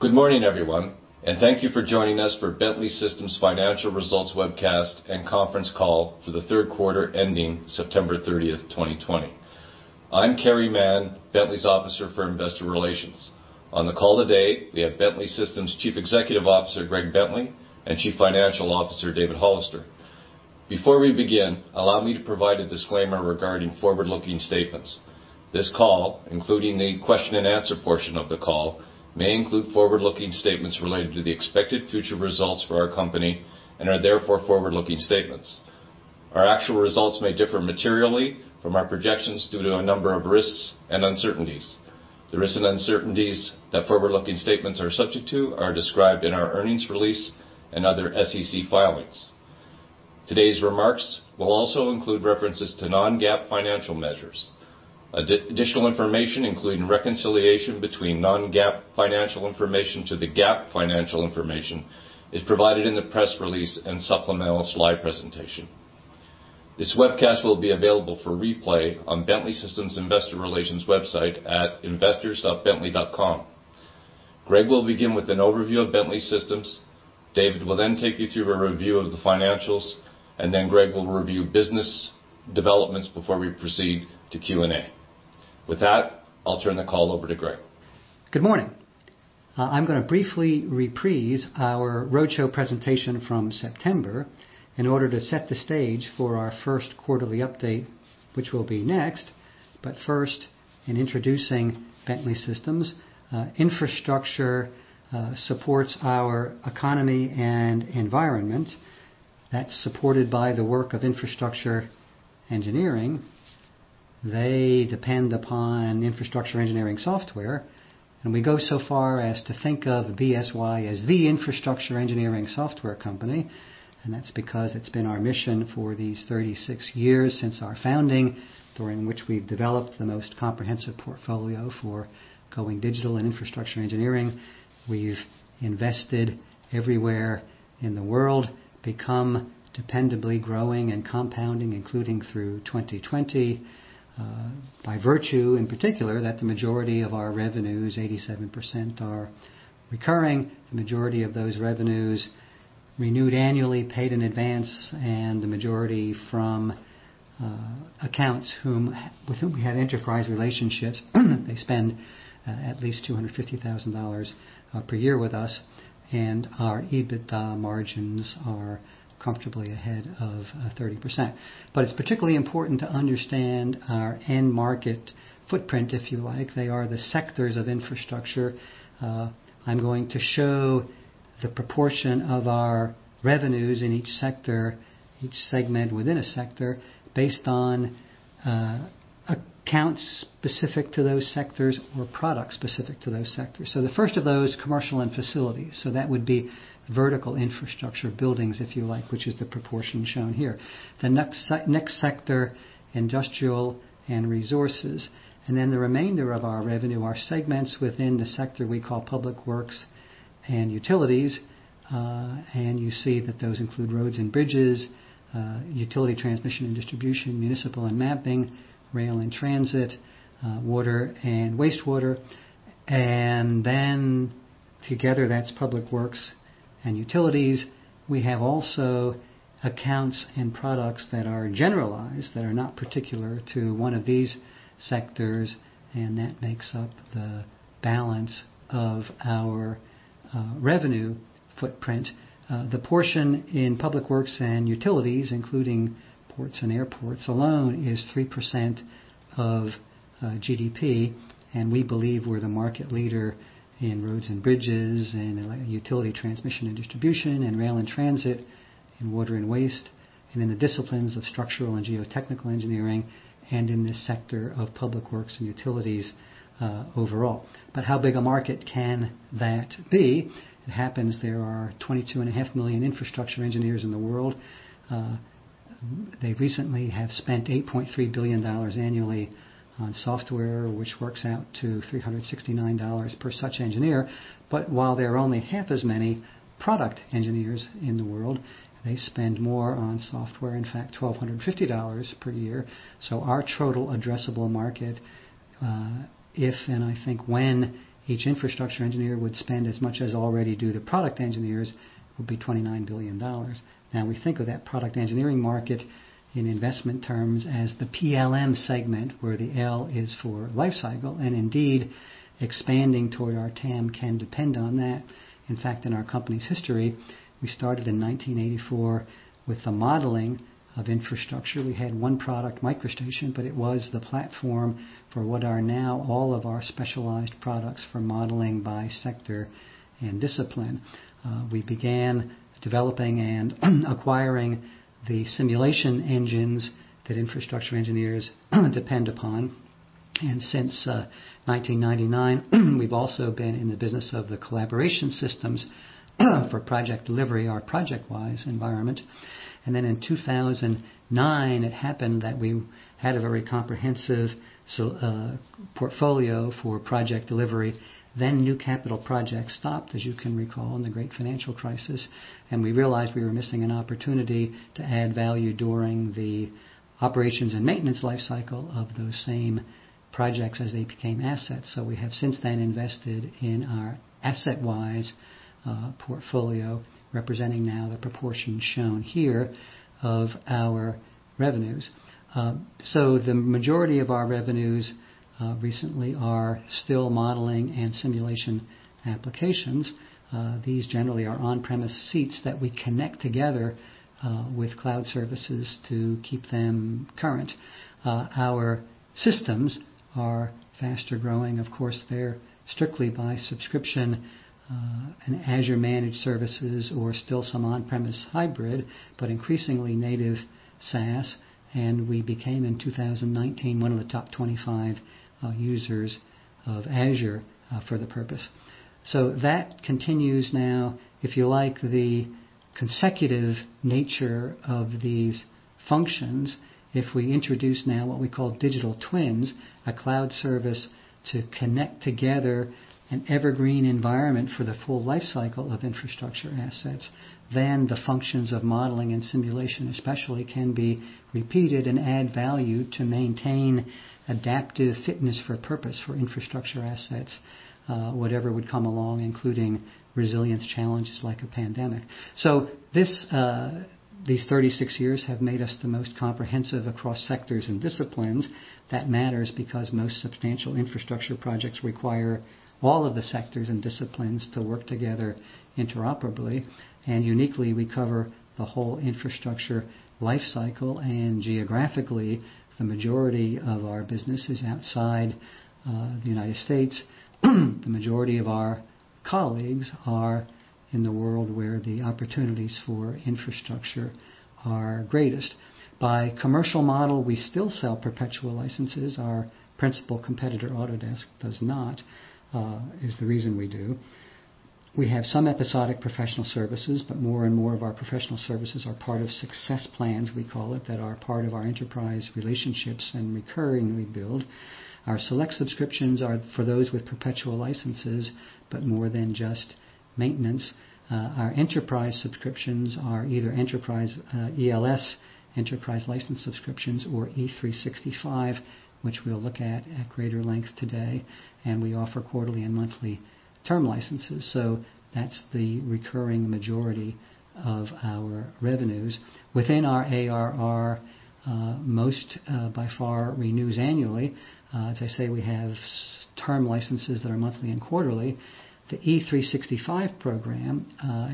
Good morning, everyone, thank you for joining us for Bentley Systems Financial Results webcast and conference call for the third quarter ending September 30th, 2020. I'm Carey Mann, Bentley's Officer for Investor Relations. On the call today, we have Bentley Systems Chief Executive Officer, Greg Bentley, and Chief Financial Officer, David Hollister. Before we begin, allow me to provide a disclaimer regarding forward-looking statements. This call, including the question and answer portion of the call, may include forward-looking statements related to the expected future results for our company and are therefore forward-looking statements. Our actual results may differ materially from our projections due to a number of risks and uncertainties. The risks and uncertainties that forward-looking statements are subject to are described in our earnings release and other SEC filings. Today's remarks will also include references to non-GAAP financial measures. Additional information, including reconciliation between non-GAAP financial information to the GAAP financial information, is provided in the press release and supplemental slide presentation. This webcast will be available for replay on Bentley Systems Investor Relations website at investors.bentley.com. Greg will begin with an overview of Bentley Systems. David will then take you through a review of the financials, and then Greg will review business developments before we proceed to Q&A. With that, I'll turn the call over to Greg. Good morning. I'm going to briefly reprise our roadshow presentation from September in order to set the stage for our first quarterly update, which will be next. First, in introducing Bentley Systems, infrastructure supports our economy and environment. That's supported by the work of infrastructure engineering. They depend upon infrastructure engineering software. We go so far as to think of BSY as the infrastructure engineering software company. That's because it's been our mission for these 36 years since our founding, during which we've developed the most comprehensive portfolio for going digital in infrastructure engineering. We've invested everywhere in the world, become dependably growing and compounding, including through 2020, by virtue, in particular, that the majority of our revenues, 87%, are recurring, the majority of those revenues renewed annually, paid in advance. The majority from accounts with whom we have enterprise relationships. They spend at least $250,000 per year with us, and our EBITDA margins are comfortably ahead of 30%. It's particularly important to understand our end market footprint, if you like. They are the sectors of infrastructure. I'm going to show the proportion of our revenues in each sector, each segment within a sector, based on accounts specific to those sectors or products specific to those sectors. The first of those, commercial and facilities. That would be vertical infrastructure buildings, if you like, which is the proportion shown here. The next sector, industrial and resources. The remainder of our revenue are segments within the sector we call public works and utilities. You see that those include roads and bridges, utility transmission and distribution, municipal and mapping, rail and transit, water and wastewater. Together, that's public works and utilities. We have also accounts and products that are generalized, that are not particular to one of these sectors, and that makes up the balance of our revenue footprint. The portion in public works and utilities, including ports and airports alone, is 3% of GDP, and we believe we're the market leader in roads and bridges and utility transmission and distribution, and rail and transit, in water and waste, and in the disciplines of structural and geotechnical engineering, and in the sector of public works and utilities overall. How big a market can that be? It happens there are 22.5 million infrastructure engineers in the world. They recently have spent $8.3 billion annually on software, which works out to $369 per such engineer. While there are only half as many product engineers in the world, they spend more on software, in fact, $1,250 per year. Our total addressable market, if and I think when each infrastructure engineer would spend as much as already do the product engineers, will be $29 billion. We think of that product engineering market in investment terms as the PLM segment, where the L is for lifecycle. Indeed, expanding toward our TAM can depend on that. In our company's history, we started in 1984 with the modeling of infrastructure. We had one product, MicroStation, but it was the platform for what are now all of our specialized products for modeling by sector and discipline. We began developing and acquiring the simulation engines that infrastructure engineers depend upon. Since 1999, we've also been in the business of the collaboration systems for project delivery, our ProjectWise environment. In 2009, it happened that we had a very comprehensive portfolio for project delivery. New capital projects stopped, as you can recall, in the great financial crisis, and we realized we were missing an opportunity to add value during the operations and maintenance life cycle of those same projects as they became assets. We have since then invested in our AssetWise portfolio, representing now the proportion shown here of our revenues. The majority of our revenues recently are still modeling and simulation applications. These generally are on-premise seats that we connect together with cloud services to keep them current. Our systems are faster-growing. Of course, they're strictly by subscription, and Azure managed services or still some on-premise hybrid, but increasingly native SaaS. We became, in 2019, one of the top 25 users of Azure for the purpose. That continues now. If you like the consecutive nature of these functions, if we introduce now what we call digital twins, a cloud service to connect together an evergreen environment for the full life cycle of infrastructure assets, then the functions of modeling and simulation especially can be repeated and add value to maintain adaptive fitness for purpose for infrastructure assets, whatever would come along, including resilience challenges like a pandemic. These 36 years have made us the most comprehensive across sectors and disciplines. That matters because most substantial infrastructure projects require all of the sectors and disciplines to work together interoperably. Uniquely, we cover the whole infrastructure life cycle, and geographically, the majority of our business is outside the U.S. The majority of our colleagues are in the world where the opportunities for infrastructure are greatest. By commercial model, we still sell perpetual licenses. Our principal competitor, Autodesk, does not, is the reason we do. We have some episodic professional services, but more and more of our professional services are part of success plans, we call it, that are part of our enterprise relationships and recurring we build. Our select subscriptions are for those with perpetual licenses, but more than just maintenance. Our enterprise subscriptions are either enterprise ELS, enterprise license subscriptions, or E365, which we'll look at at greater length today. We offer quarterly and monthly term licenses. That's the recurring majority of our revenues. Within our ARR, most by far renews annually. As I say, we have term licenses that are monthly and quarterly. The E365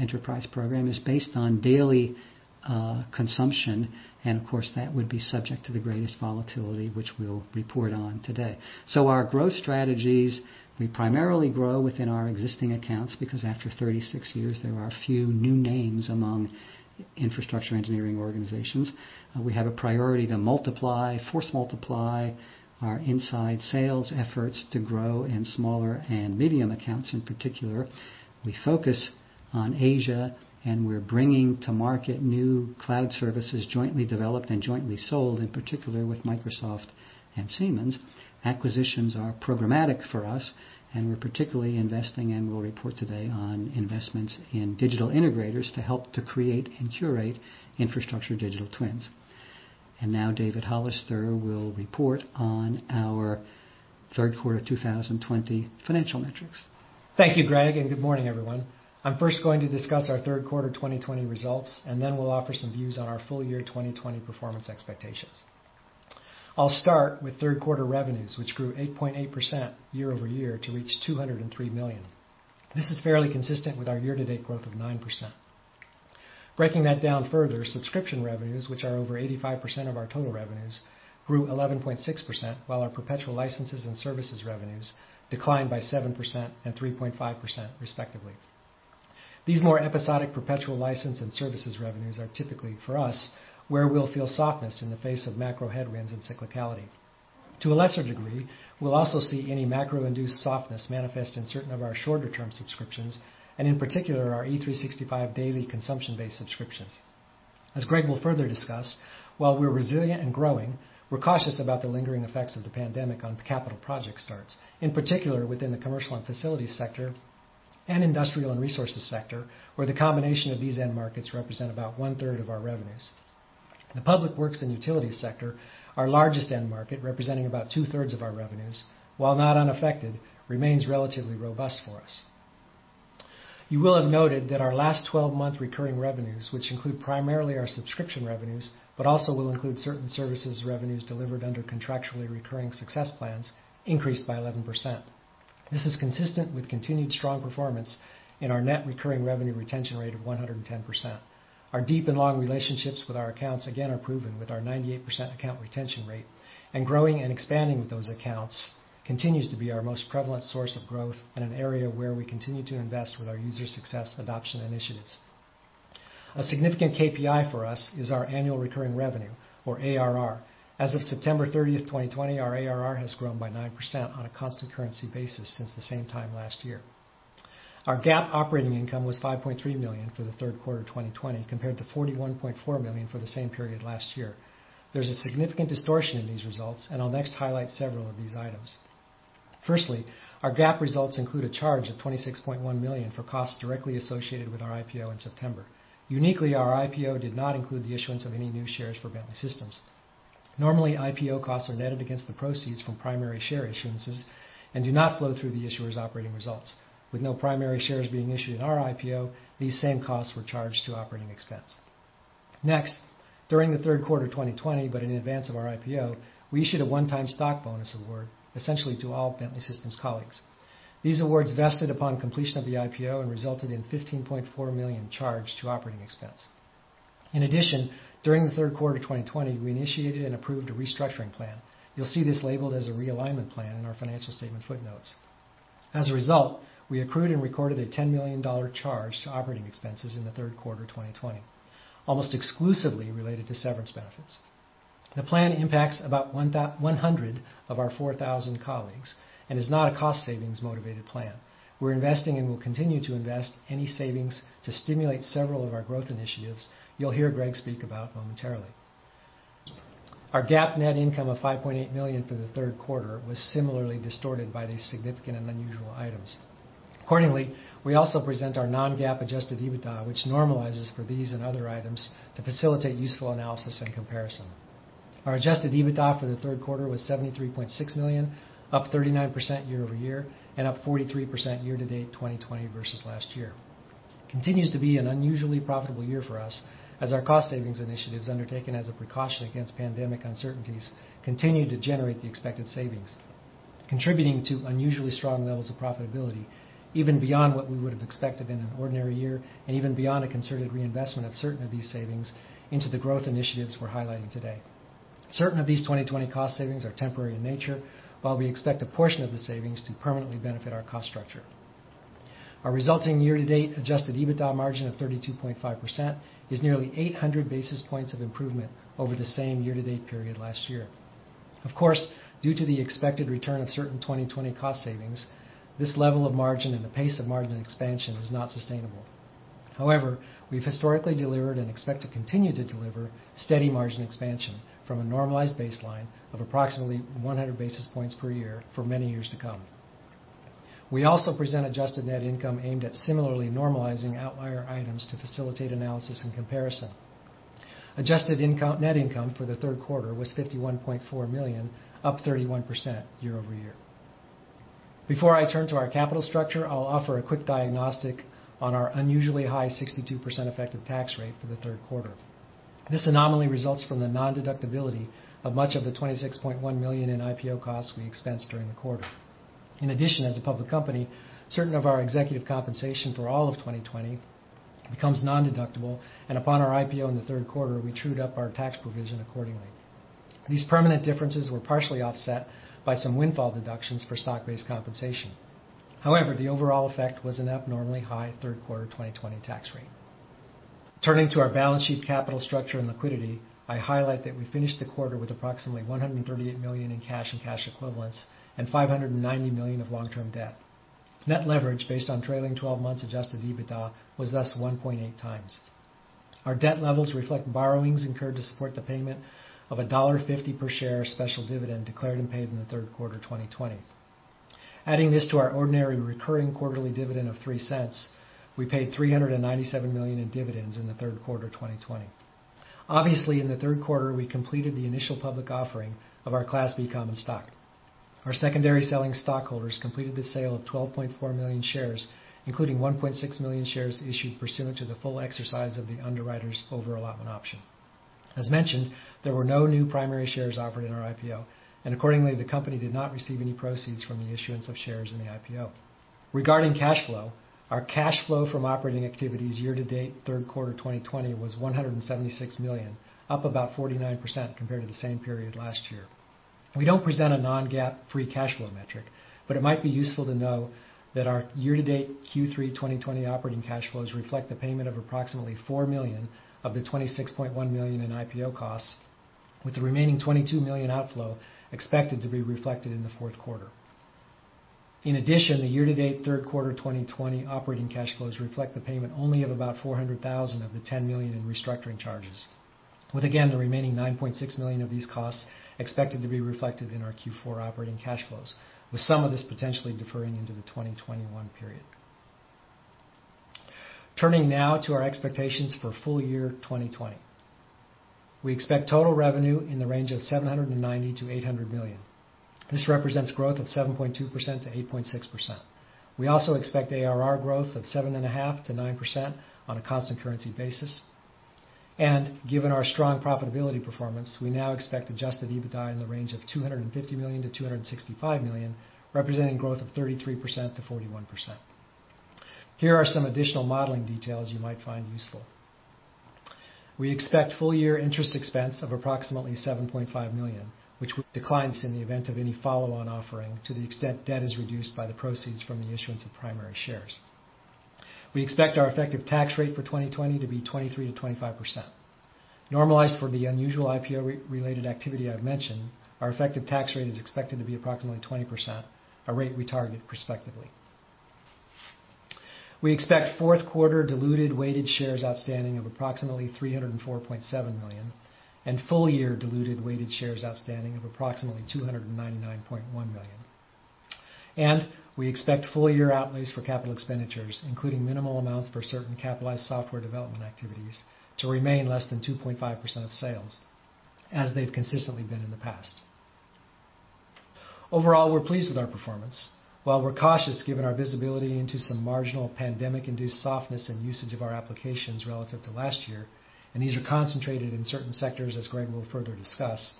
enterprise program is based on daily consumption, and of course, that would be subject to the greatest volatility, which we'll report on today. Our growth strategies, we primarily grow within our existing accounts because, after 36 years, there are few new names among infrastructure engineering organizations. We have a priority to force multiply our inside sales efforts to grow in smaller and medium accounts in particular. We focus on Asia, we're bringing to market new cloud services jointly developed and jointly sold, in particular with Microsoft and Siemens. Acquisitions are programmatic for us, we're particularly investing, and we'll report today on investments in digital integrators to help to create and curate infrastructure digital twins. Now David Hollister will report on our third quarter of 2020 financial metrics. Thank you, Greg, and good morning, everyone. I'm first going to discuss our third quarter 2020 results, and then we'll offer some views on our full year 2020 performance expectations. I'll start with third quarter revenues, which grew 8.8% year-over-year to reach $203 million. This is fairly consistent with our year-to-date growth of 9%. Breaking that down further, subscription revenues, which are over 85% of our total revenues, grew 11.6%, while our perpetual licenses and services revenues declined by 7% and 3.5%, respectively. These more episodic perpetual license and services revenues are typically, for us, where we'll feel softness in the face of macro headwinds and cyclicality. To a lesser degree, we'll also see any macro-induced softness manifest in certain of our shorter-term subscriptions, and in particular, our E365 daily consumption-based subscriptions. Greg will further discuss, while we're resilient and growing, we're cautious about the lingering effects of the pandemic on capital project starts, in particular within the commercial and facilities sector and industrial and resources sector, where the combination of these end markets represent about one-third of our revenues. The public works and utilities sector, our largest end market, representing about two-thirds of our revenues, while not unaffected, remains relatively robust for us. You will have noted that our last 12-month recurring revenues, which include primarily our subscription revenues, but also will include certain services revenues delivered under contractually recurring success plans, increased by 11%. This is consistent with continued strong performance in our net recurring revenue retention rate of 110%. Our deep and long relationships with our accounts, again, are proven with our 98% account retention rate. Growing and expanding with those accounts continues to be our most prevalent source of growth and an area where we continue to invest with our user success adoption initiatives. A significant KPI for us is our annual recurring revenue, or ARR. As of September 30th, 2020, our ARR has grown by 9% on a constant currency basis since the same time last year. Our GAAP operating income was $5.3 million for the third quarter 2020, compared to $41.4 million for the same period last year. There is a significant distortion in these results, and I will next highlight several of these items. Firstly, our GAAP results include a charge of $26.1 million for costs directly associated with our IPO in September. Uniquely, our IPO did not include the issuance of any new shares for Bentley Systems. Normally, IPO costs are netted against the proceeds from primary share issuances and do not flow through the issuer's operating results. With no primary shares being issued in our IPO, these same costs were charged to operating expense. Next, during the third quarter 2020, but in advance of our IPO, we issued a one-time stock bonus award, essentially to all Bentley Systems colleagues. These awards vested upon completion of the IPO and resulted in $15.4 million charged to operating expense. In addition, during the third quarter 2020, we initiated and approved a restructuring plan. You'll see this labeled as a realignment plan in our financial statement footnotes. As a result, we accrued and recorded a $10 million charge to operating expenses in the third quarter 2020, almost exclusively related to severance benefits. The plan impacts about 100 of our 4,000 colleagues and is not a cost savings motivated plan. We're investing and will continue to invest any savings to stimulate several of our growth initiatives you'll hear Greg speak about momentarily. Our GAAP net income of $5.8 million for the third quarter was similarly distorted by these significant and unusual items. Accordingly, we also present our non-GAAP adjusted EBITDA, which normalizes for these and other items to facilitate useful analysis and comparison. Our adjusted EBITDA for the third quarter was $73.6 million, up 39% year-over-year and up 43% year-to-date 2020 versus last year. Continues to be an unusually profitable year for us as our cost savings initiatives undertaken as a precaution against pandemic uncertainties continue to generate the expected savings, contributing to unusually strong levels of profitability even beyond what we would have expected in an ordinary year and even beyond a concerted reinvestment of certain of these savings into the growth initiatives we're highlighting today. Certain of these 2020 cost savings are temporary in nature, while we expect a portion of the savings to permanently benefit our cost structure. Our resulting year-to-date adjusted EBITDA margin of 32.5% is nearly 800 basis points of improvement over the same year-to-date period last year. Of course, due to the expected return of certain 2020 cost savings, this level of margin and the pace of margin expansion is not sustainable. However, we've historically delivered and expect to continue to deliver steady margin expansion from a normalized baseline of approximately 100 basis points per year for many years to come. We also present adjusted net income aimed at similarly normalizing outlier items to facilitate analysis and comparison. Adjusted net income for the third quarter was $51.4 million, up 31% year-over-year. Before I turn to our capital structure, I'll offer a quick diagnostic on our unusually high 62% effective tax rate for the third quarter. This anomaly results from the non-deductibility of much of the $26.1 million in IPO costs we expensed during the quarter. In addition, as a public company, certain of our executive compensation for all of 2020 becomes non-deductible, and upon our IPO in the third quarter, we trued up our tax provision accordingly. These permanent differences were partially offset by some windfall deductions for stock-based compensation. However, the overall effect was an abnormally high third quarter 2020 tax rate. Turning to our balance sheet capital structure and liquidity, I highlight that we finished the quarter with approximately $138 million in cash and cash equivalents and $590 million of long-term debt. Net leverage based on trailing 12 months adjusted EBITDA was thus 1.8x. Our debt levels reflect borrowings incurred to support the payment of $1.50 per share special dividend declared and paid in the third quarter 2020. Adding this to our ordinary recurring quarterly dividend of $0.03, we paid $397 million in dividends in the third quarter 2020. Obviously, in the third quarter, we completed the initial public offering of our Class B common stock. Our secondary selling stockholders completed the sale of 12.4 million shares, including 1.6 million shares issued pursuant to the full exercise of the underwriter's overallotment option. As mentioned, there were no new primary shares offered in our IPO, and accordingly, the company did not receive any proceeds from the issuance of shares in the IPO. Regarding cash flow, our cash flow from operating activities year-to-date third quarter 2020 was $176 million, up about 49% compared to the same period last year. We don't present a non-GAAP free cash flow metric, but it might be useful to know that our year-to-date Q3 2020 operating cash flows reflect the payment of approximately $4 million of the $26.1 million in IPO costs, with the remaining $22 million outflow expected to be reflected in the fourth quarter. In addition, the year-to-date third quarter 2020 operating cash flows reflect the payment only of about $400,000 of the $10 million in restructuring charges, with again, the remaining $9.6 million of these costs expected to be reflected in our Q4 operating cash flows, with some of this potentially deferring into the 2021 period. Turning now to our expectations for full year 2020. We expect total revenue in the range of $790 million-$800 million. This represents growth of 7.2%-8.6%. We also expect ARR growth of 7.5%-9% on a constant currency basis. Given our strong profitability performance, we now expect adjusted EBITDA in the range of $250 million-$265 million, representing growth of 33%-41%. Here are some additional modeling details you might find useful. We expect full-year interest expense of approximately $7.5 million, which would decline in the event of any follow-on offering to the extent debt is reduced by the proceeds from the issuance of primary shares. We expect our effective tax rate for 2020 to be 23%-25%. Normalized for the unusual IPO-related activity I've mentioned, our effective tax rate is expected to be approximately 20%, a rate we target prospectively. We expect fourth-quarter diluted weighted shares outstanding of approximately 304.7 million and full-year diluted weighted shares outstanding of approximately 299.1 million. We expect full-year outlays for capital expenditures, including minimal amounts for certain capitalized software development activities, to remain less than 2.5% of sales, as they've consistently been in the past. Overall, we're pleased with our performance. While we're cautious given our visibility into some marginal pandemic-induced softness in usage of our applications relative to last year, these are concentrated in certain sectors as Greg will further discuss,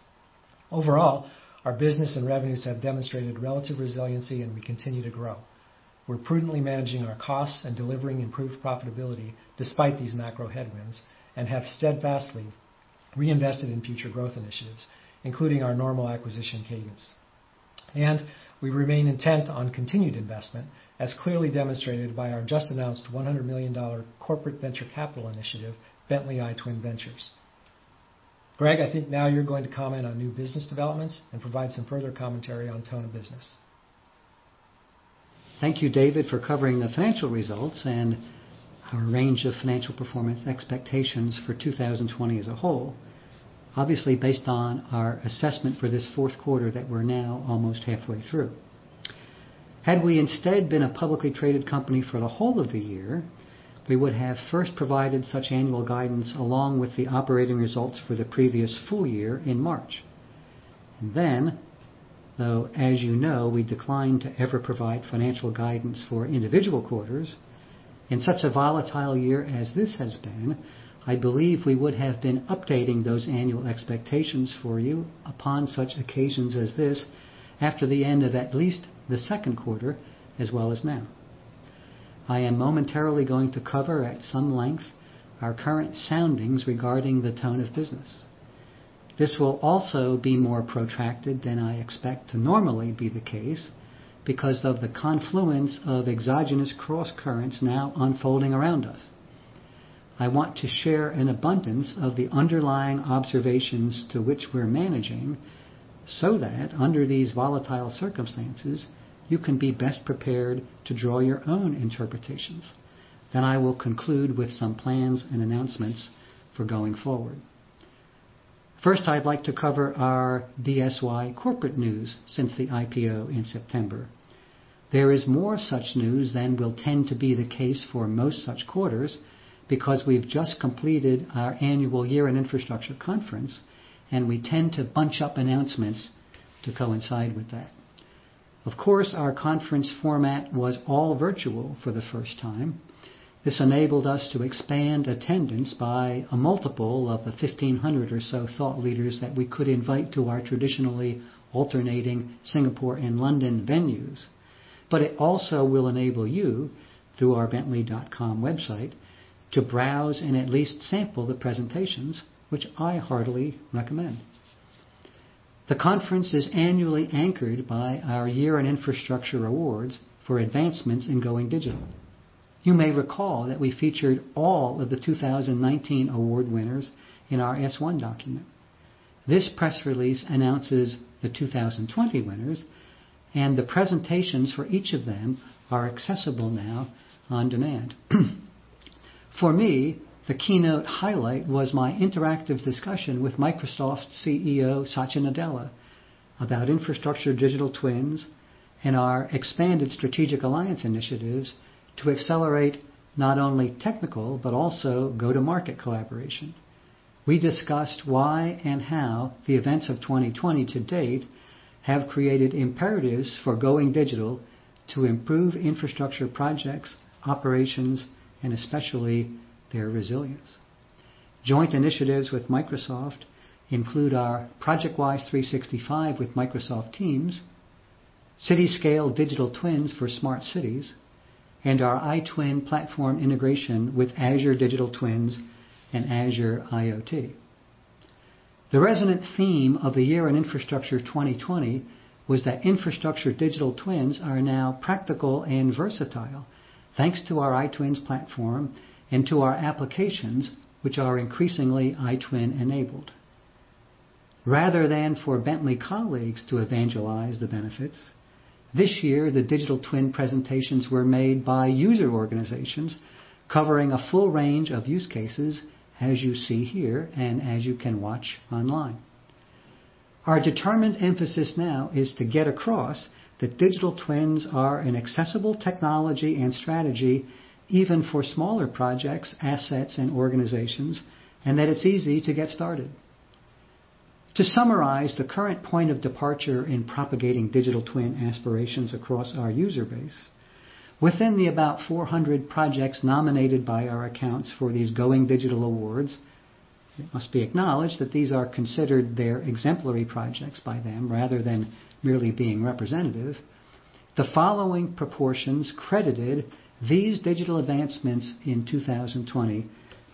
overall, our business and revenues have demonstrated relative resiliency, we continue to grow. We're prudently managing our costs and delivering improved profitability despite these macro headwinds and have steadfastly reinvested in future growth initiatives, including our normal acquisition cadence. We remain intent on continued investment, as clearly demonstrated by our just-announced $100 million corporate venture capital initiative, Bentley iTwin Ventures. Greg, I think now you're going to comment on new business developments and provide some further commentary on tone of business. Thank you, David, for covering the financial results and our range of financial performance expectations for 2020 as a whole, obviously based on our assessment for this fourth quarter that we're now almost halfway through. Had we instead been a publicly traded company for the whole of the year, we would have first provided such annual guidance along with the operating results for the previous full year in March. Though, as you know, I mean, we decline to ever provide financial guidance for individual quarters. In such a volatile year as this has been, I believe we would have been updating those annual expectations for you upon such occasions as this after the end of at least the second quarter, as well as now. I am momentarily going to cover at some length our current soundings regarding the tone of business. This will also be more protracted than I expect to normally be the case because of the confluence of exogenous crosscurrents now unfolding around us. I want to share an abundance of the underlying observations to which we're managing so that under these volatile circumstances, you can be best prepared to draw your own interpretations. I will conclude with some plans and announcements for going forward. First, I'd like to cover our BSY corporate news since the IPO in September. There is more such news than will tend to be the case for most such quarters because we've just completed our annual Year in Infrastructure conference, and we tend to bunch up announcements to coincide with that. Of course, our conference format was all virtual for the first time. This enabled us to expand attendance by a multiple of the 1,500 or so thought leaders that we could invite to our traditionally alternating Singapore and London venues. It also will enable you, through our bentley.com website, to browse and at least sample the presentations, which I heartily recommend. The conference is annually anchored by our Year in Infrastructure awards for advancements in going digital. You may recall that we featured all of the 2019 award winners in our S1 document. This press release announces the 2020 winners, the presentations for each of them are accessible now on demand. For me, the keynote highlight was my interactive discussion with Microsoft CEO Satya Nadella about infrastructure digital twins and our expanded strategic alliance initiatives to accelerate not only technical but also go-to-market collaboration. We discussed why and how the events of 2020 to date have created imperatives for going digital to improve infrastructure projects, operations, and especially their resilience. Joint initiatives with Microsoft include our ProjectWise 365 with Microsoft Teams, city-scale digital twins for smart cities, and our iTwin platform integration with Azure Digital Twins and Azure IoT. The resonant theme of the Year in Infrastructure 2020 was that infrastructure digital twins are now practical and versatile, thanks to our iTwins platform and to our applications, which are increasingly iTwin-enabled. Rather than for Bentley colleagues to evangelize the benefits, this year, the digital twin presentations were made by user organizations covering a full range of use cases, as you see here and as you can watch online. Our determined emphasis now is to get across that digital twins are an accessible technology and strategy even for smaller projects, assets, and organizations, and that it's easy to get started. To summarize the current point of departure in propagating digital twin aspirations across our user base, within the about 400 projects nominated by our accounts for these Going Digital Awards, it must be acknowledged that these are considered their exemplary projects by them rather than merely being representative. The following proportions credited these digital advancements in 2020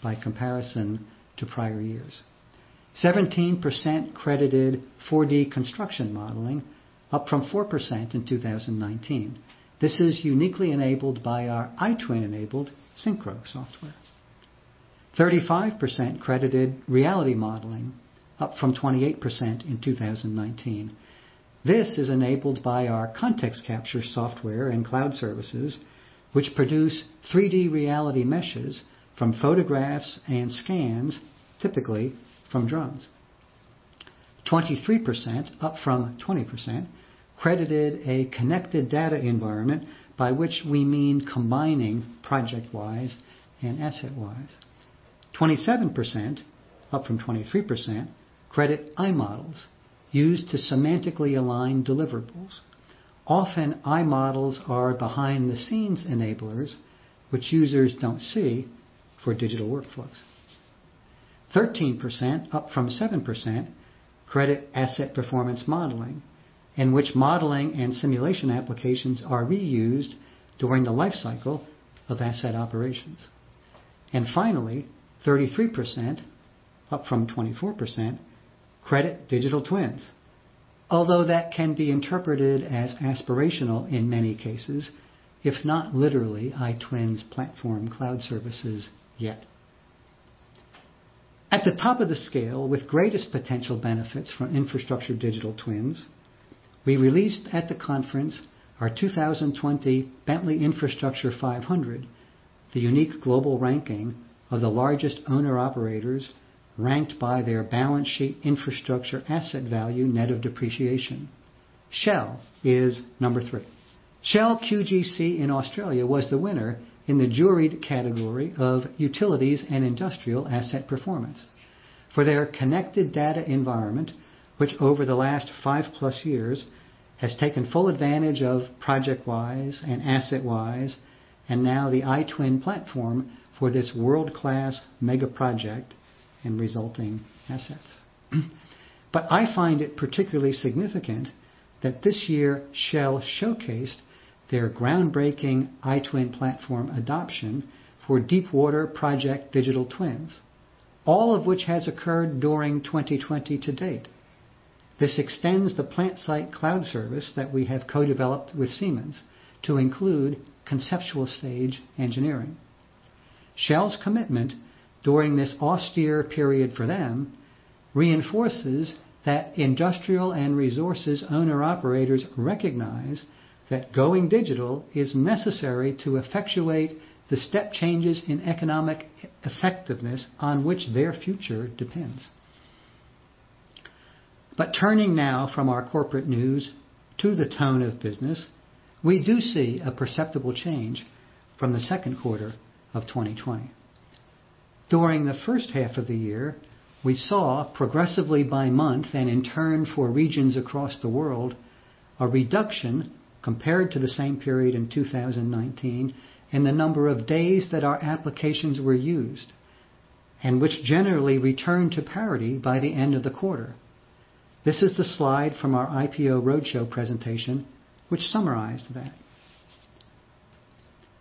by comparison to prior years. 17% credited 4D construction modeling, up from 4% in 2019. This is uniquely enabled by our iTwin-enabled SYNCHRO software. 35% credited reality modeling, up from 28% in 2019. This is enabled by our ContextCapture software and cloud services, which produce 3D reality meshes from photographs and scans, typically from drones. 23%, up from 20%, credited a connected data environment by which we mean combining ProjectWise and AssetWise. 27%, up from 23%, credit iModels, used to semantically align deliverables. Often, iModels are behind-the-scenes enablers, which users don't see for digital workflows. 13%, up from 7%, credit asset performance modeling, in which modeling and simulation applications are reused during the life cycle of asset operations. Finally, 33%, up from 24%, credit digital twins, although that can be interpreted as aspirational in many cases, if not literally iTwins platform cloud services yet. At the top of the scale, with greatest potential benefits from infrastructure digital twins, we released at the conference our 2020 Bentley Infrastructure 500, the unique global ranking of the largest owner-operators ranked by their balance sheet infrastructure asset value net of depreciation. Shell is number three. Shell's QGC in Australia was the winner in the juried category of utilities and industrial asset performance for their connected data environment, which over the last five-plus years has taken full advantage of ProjectWise and AssetWise, and now the iTwin platform for this world-class mega project and resulting assets. I find it particularly significant that this year Shell showcased their groundbreaking iTwin platform adoption for deepwater project digital twins, all of which has occurred during 2020 to date. This extends the PlantSight cloud service that we have co-developed with Siemens to include conceptual stage engineering. Shell's commitment during this austere period for them reinforces that industrial and resources owner-operators recognize that going digital is necessary to effectuate the step changes in economic effectiveness on which their future depends. Turning now from our corporate news to the tone of business, we do see a perceptible change from the second quarter of 2020. During the first half of the year, we saw progressively by month and in turn for regions across the world, a reduction compared to the same period in 2019 in the number of days that our applications were used, and which generally returned to parity by the end of the quarter. This is the slide from our IPO roadshow presentation, which summarized that.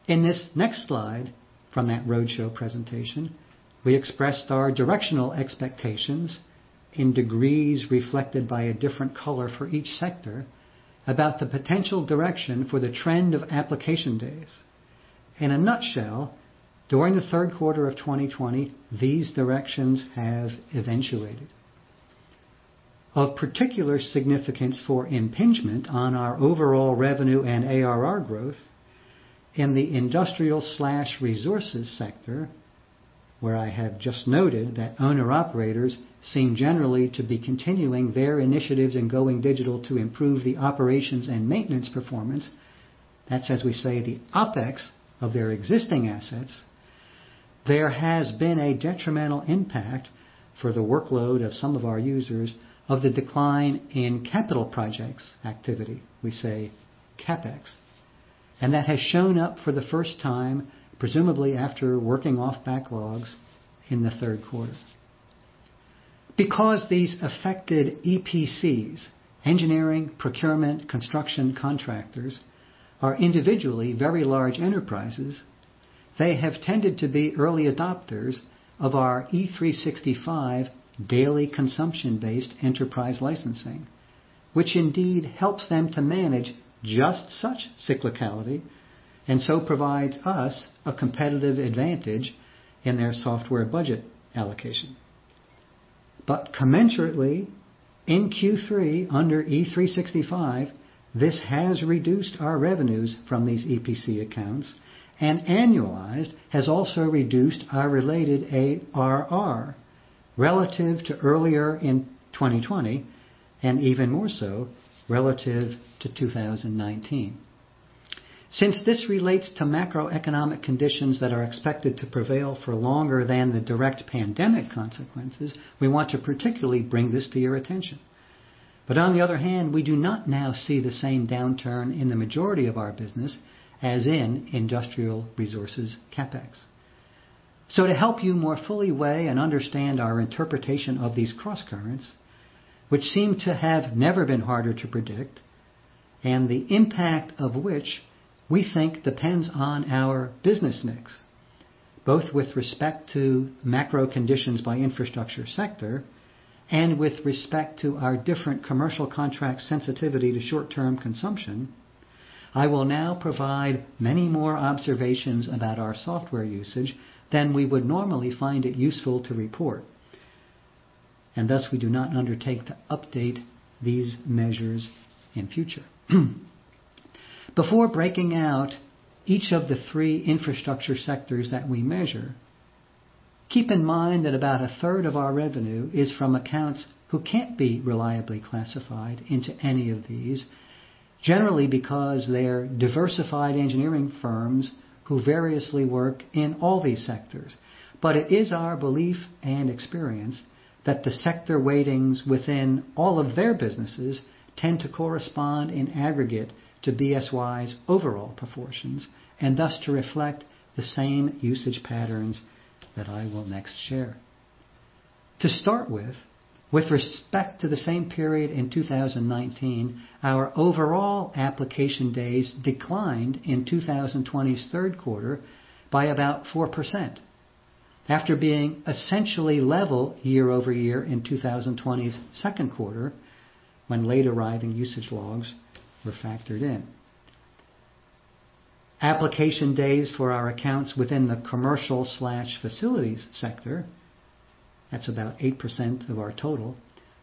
In this next slide from that roadshow presentation, we expressed our directional expectations in degrees reflected by a different color for each sector about the potential direction for the trend of application days. In a nutshell, during the third quarter of 2020, these directions have eventuated. Of particular significance for impingement on our overall revenue and ARR growth in the industrial/resources sector, where I have just noted that owner-operators seem generally to be continuing their initiatives in going digital to improve the operations and maintenance performance. That's, as we say, the OpEx of their existing assets. There has been a detrimental impact for the workload of some of our users of the decline in capital projects activity, we say CapEx, and that has shown up for the first time, presumably after working off backlogs in the third quarter. Because these affected EPCs, engineering, procurement, construction contractors, are individually very large enterprises, they have tended to be early adopters of our E365 daily consumption-based enterprise licensing, which indeed helps them to manage just such cyclicality and so provides us a competitive advantage in their software budget allocation. Commensurately, in Q3, under E365, this has reduced our revenues from these EPC accounts and annualized has also reduced our related ARR relative to earlier in 2020, and even more so relative to 2019. Since this relates to macroeconomic conditions that are expected to prevail for longer than the direct pandemic consequences, we want to particularly bring this to your attention. On the other hand, we do not now see the same downturn in the majority of our business as in industrial resources CapEx. To help you more fully weigh and understand our interpretation of these crosscurrents, which seem to have never been harder to predict, and the impact of which we think depends on our business mix, both with respect to macro conditions by infrastructure sector and with respect to our different commercial contract sensitivity to short-term consumption, I will now provide many more observations about our software usage than we would normally find it useful to report. Thus, we do not undertake to update these measures in future. Before breaking out each of the three infrastructure sectors that we measure, keep in mind that about a third of our revenue is from accounts who can't be reliably classified into any of these, generally because they are diversified engineering firms who variously work in all these sectors. It is our belief and experience that the sector weightings within all of their businesses tend to correspond in aggregate to BSY's overall proportions, and thus to reflect the same usage patterns that I will next share. To start with respect to the same period in 2019, our overall application days declined in 2020's third quarter by about 4%, after being essentially level year-over-year in 2020's second quarter, when late-arriving usage logs were factored in. Application days for our accounts within the commercial/facilities sector, that's about 8% of our total,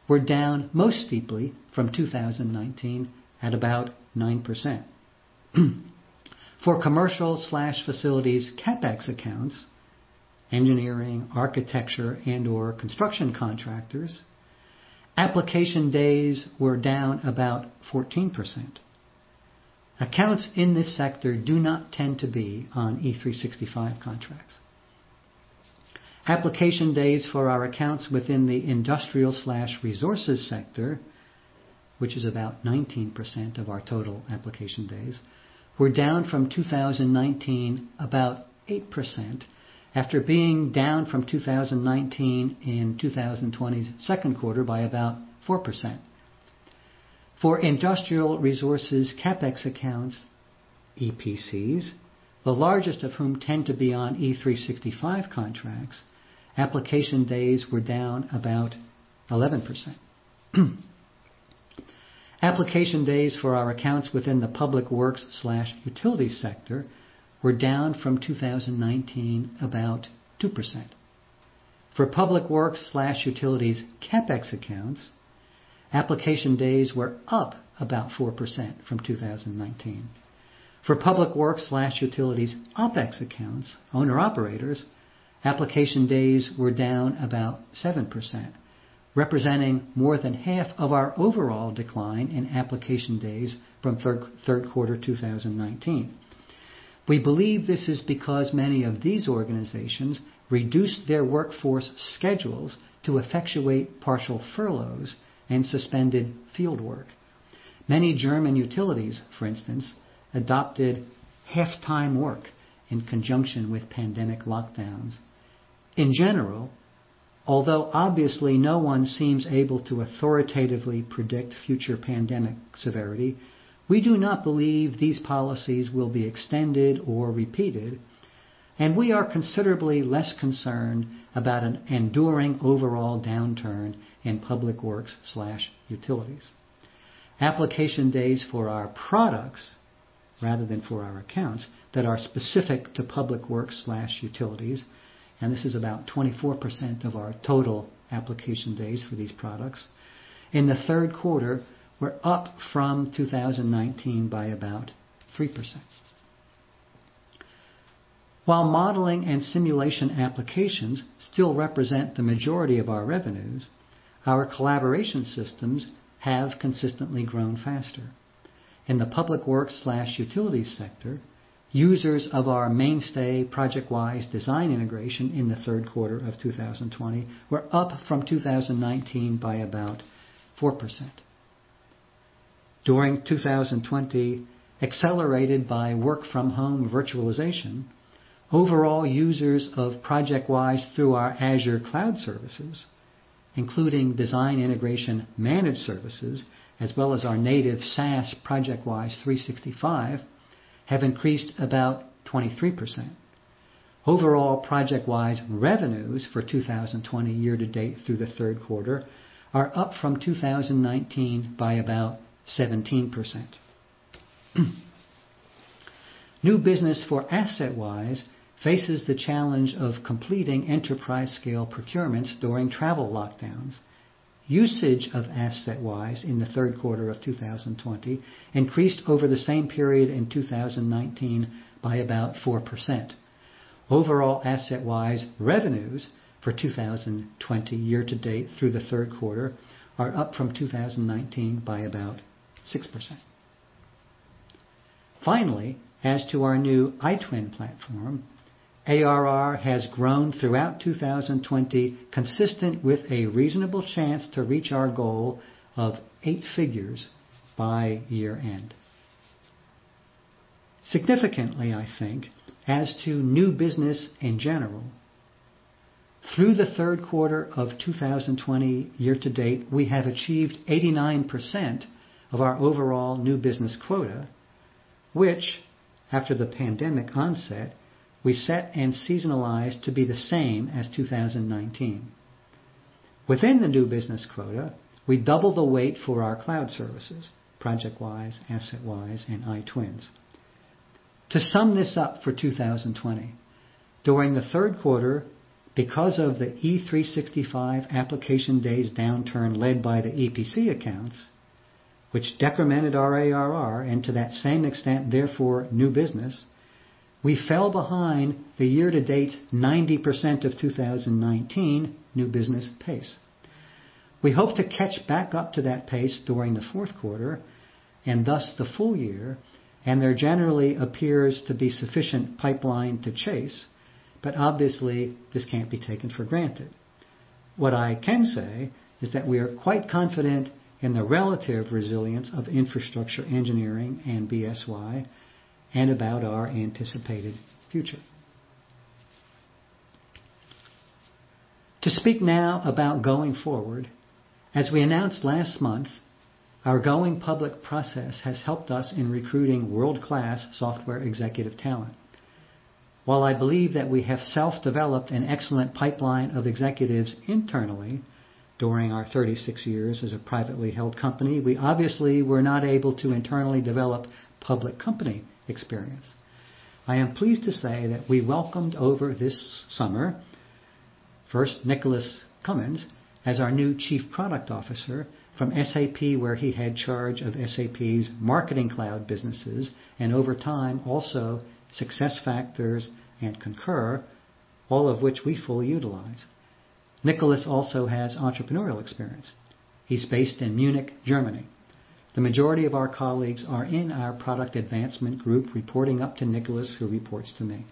were down most deeply from 2019 at about 9%. For commercial/facilities CapEx accounts, engineering, architecture, and/or construction contractors, application days were down about 14%. Accounts in this sector do not tend to be on E365 contracts. Application days for our accounts within the industrial/resources sector, which is about 19% of our total application days, were down from 2019 about 8%, after being down from 2019 in 2020's second quarter by about 4%. For industrial resources CapEx accounts, EPCs, the largest of whom tend to be on E365 contracts, application days were down about 11%. Application days for our accounts within the public works/utilities sector were down from 2019 about 2%. For public works/utilities CapEx accounts, application days were up about 4% from 2019. For public works/utilities OpEx accounts, owner/operators, application days were down about 7%, representing more than half of our overall decline in application days from third quarter 2019. We believe this is because many of these organizations reduced their workforce schedules to effectuate partial furloughs and suspended field work. Many German utilities, for instance, adopted half-time work in conjunction with pandemic lockdowns. In general, although obviously no one seems able to authoritatively predict future pandemic severity, we do not believe these policies will be extended or repeated, and we are considerably less concerned about an enduring overall downturn in public works/utilities. Application days for our products, rather than for our accounts, that are specific to public works/utilities, and this is about 24% of our total application days for these products, in the third quarter were up from 2019 by about 3%. While modeling and simulation applications still represent the majority of our revenues, our collaboration systems have consistently grown faster. In the public works/utilities sector, users of our mainstay ProjectWise Design Integration in the third quarter of 2020 were up from 2019 by about 4%. During 2020, accelerated by work-from-home virtualization, overall users of ProjectWise through our Azure cloud services, including Design Integration Managed Services, as well as our native SaaS ProjectWise 365, have increased about 23%. Overall ProjectWise revenues for 2020 year-to-date through the third quarter are up from 2019 by about 17%. New business for AssetWise faces the challenge of completing enterprise-scale procurements during travel lockdowns. Usage of AssetWise in the third quarter of 2020 increased over the same period in 2019 by about 4%. Overall AssetWise revenues for 2020 year-to-date through the third quarter are up from 2019 by about 6%. Finally, as to our new iTwin platform, ARR has grown throughout 2020, consistent with a reasonable chance to reach our goal of 8 figures by year-end. Significantly, I think, as to new business in general, through the third quarter of 2020 year-to-date, we have achieved 89% of our overall new business quota, which after the pandemic onset, we set and seasonalized to be the same as 2019. Within the new business quota, we double the weight for our cloud services, ProjectWise, AssetWise, and iTwins. To sum this up for 2020, during the third quarter, because of the E365 application days downturn led by the EPC accounts, which decremented our ARR and to that same extent, therefore, new business, we fell behind the year-to-date 90% of 2019 new business pace. We hope to catch back up to that pace during the fourth quarter and thus the full year. There generally appears to be sufficient pipeline to chase. Obviously, this can't be taken for granted. What I can say is that we are quite confident in the relative resilience of infrastructure engineering and BSY and about our anticipated future. To speak now about going forward, as we announced last month, our going public process has helped us in recruiting world-class software executive talent. While I believe that we have self-developed an excellent pipeline of executives internally during our 36 years as a privately held company, we obviously were not able to internally develop public company experience. I am pleased to say that we welcomed over this summer, first, Nicolas Cumins, as our new Chief Product Officer from SAP, where he had charge of SAP's marketing cloud businesses, and over time, also SuccessFactors and Concur, all of which we fully utilize. Nicolas also has entrepreneurial experience. He's based in Munich, Germany. The majority of our colleagues are in our product advancement group, reporting up to Nicolas, who reports to me.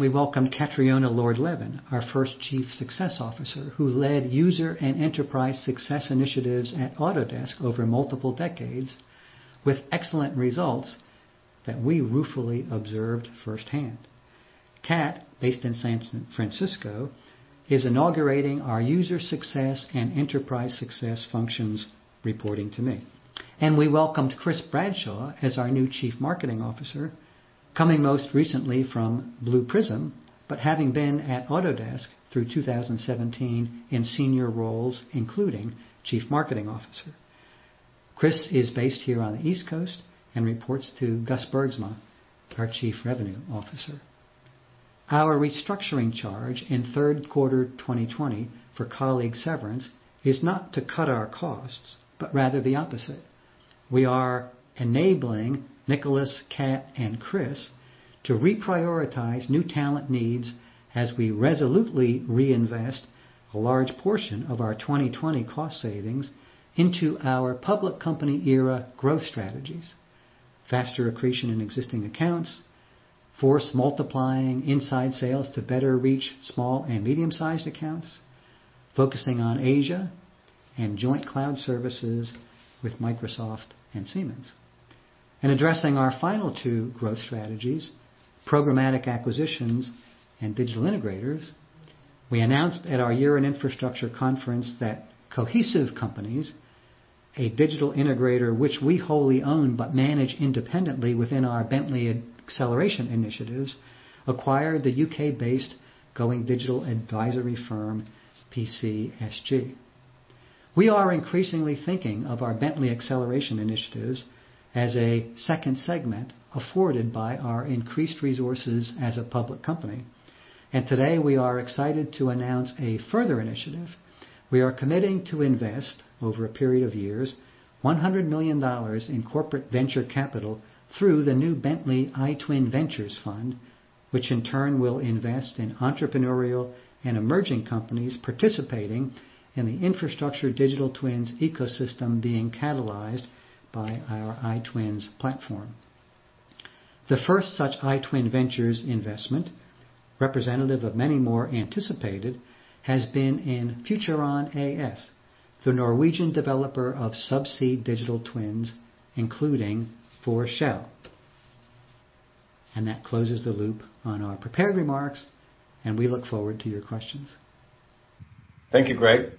We welcomed Katriona Lord-Levins, our first Chief Success Officer, who led user and enterprise success initiatives at Autodesk over multiple decades with excellent results that we ruefully observed firsthand. Kat, based in San Francisco, is inaugurating our user success and enterprise success functions, reporting to me. We welcomed Chris Bradshaw as our new Chief Marketing Officer, coming most recently from Blue Prism, but having been at Autodesk through 2017 in senior roles, including Chief Marketing Officer. Chris is based here on the East Coast and reports to Gus Bergsma, our Chief Revenue Officer. Our restructuring charge in third quarter 2020 for colleague severance is not to cut our costs, but rather the opposite. We are enabling Nicolas, Kat, and Chris to reprioritize new talent needs as we resolutely reinvest a large portion of our 2020 cost savings into our public company-era growth strategies, faster accretion in existing accounts, force multiplying inside sales to better reach small and medium-sized accounts, focusing on Asia, and joint cloud services with Microsoft and Siemens. In addressing our final two growth strategies, programmatic acquisitions and digital integrators, we announced at our Year in Infrastructure conference that The Cohesive Companies, a digital integrator which we wholly own but manage independently within our Bentley Acceleration Initiatives, acquired the U.K.-based going digital advisory firm, PCSG. We are increasingly thinking of our Bentley Acceleration Initiatives as a second segment afforded by our increased resources as a public company, and today, we are excited to announce a further initiative. We are committing to invest over a period of years, $100 million in corporate venture capital through the new Bentley iTwin Ventures Fund, which in turn will invest in entrepreneurial and emerging companies participating in the infrastructure digital twins ecosystem being catalyzed by our iTwins platform. The first such iTwin Ventures investment, representative of many more anticipated, has been in FutureOn AS, the Norwegian developer of sub-sea digital twins, including for Shell. That closes the loop on our prepared remarks, and we look forward to your questions. Thank you, Greg.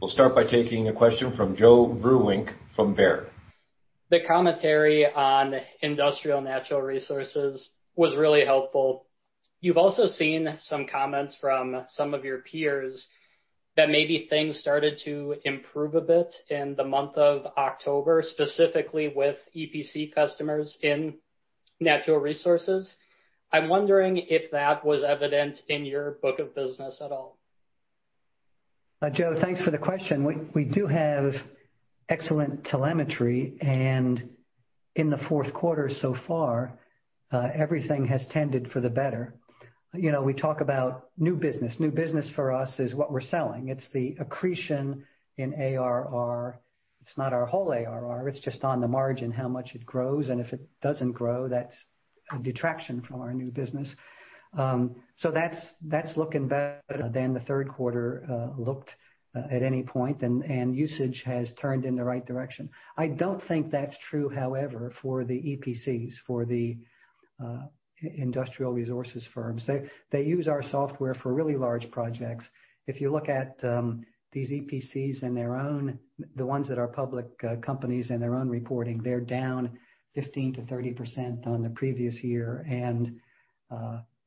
We'll start by taking a question from Joe Vruwink from Baird. The commentary on industrial natural resources was really helpful. You've also seen some comments from some of your peers that maybe things started to improve a bit in the month of October, specifically with EPC customers in natural resources. I'm wondering if that was evident in your book of business at all. Joe, thanks for the question. In the fourth quarter so far, everything has tended for the better. We talk about new business. New business for us is what we're selling. It's the accretion in ARR. It's not our whole ARR, it's just on the margin, how much it grows, and if it doesn't grow, that's a detraction from our new business. That's looking better than the third quarter looked at any point. Usage has turned in the right direction. I don't think that's true, however, for the EPCs, for the industrial resources firms. They use our software for really large projects. If you look at these EPCs and the ones that are public companies in their own reporting, they're down 15%-30% on the previous year.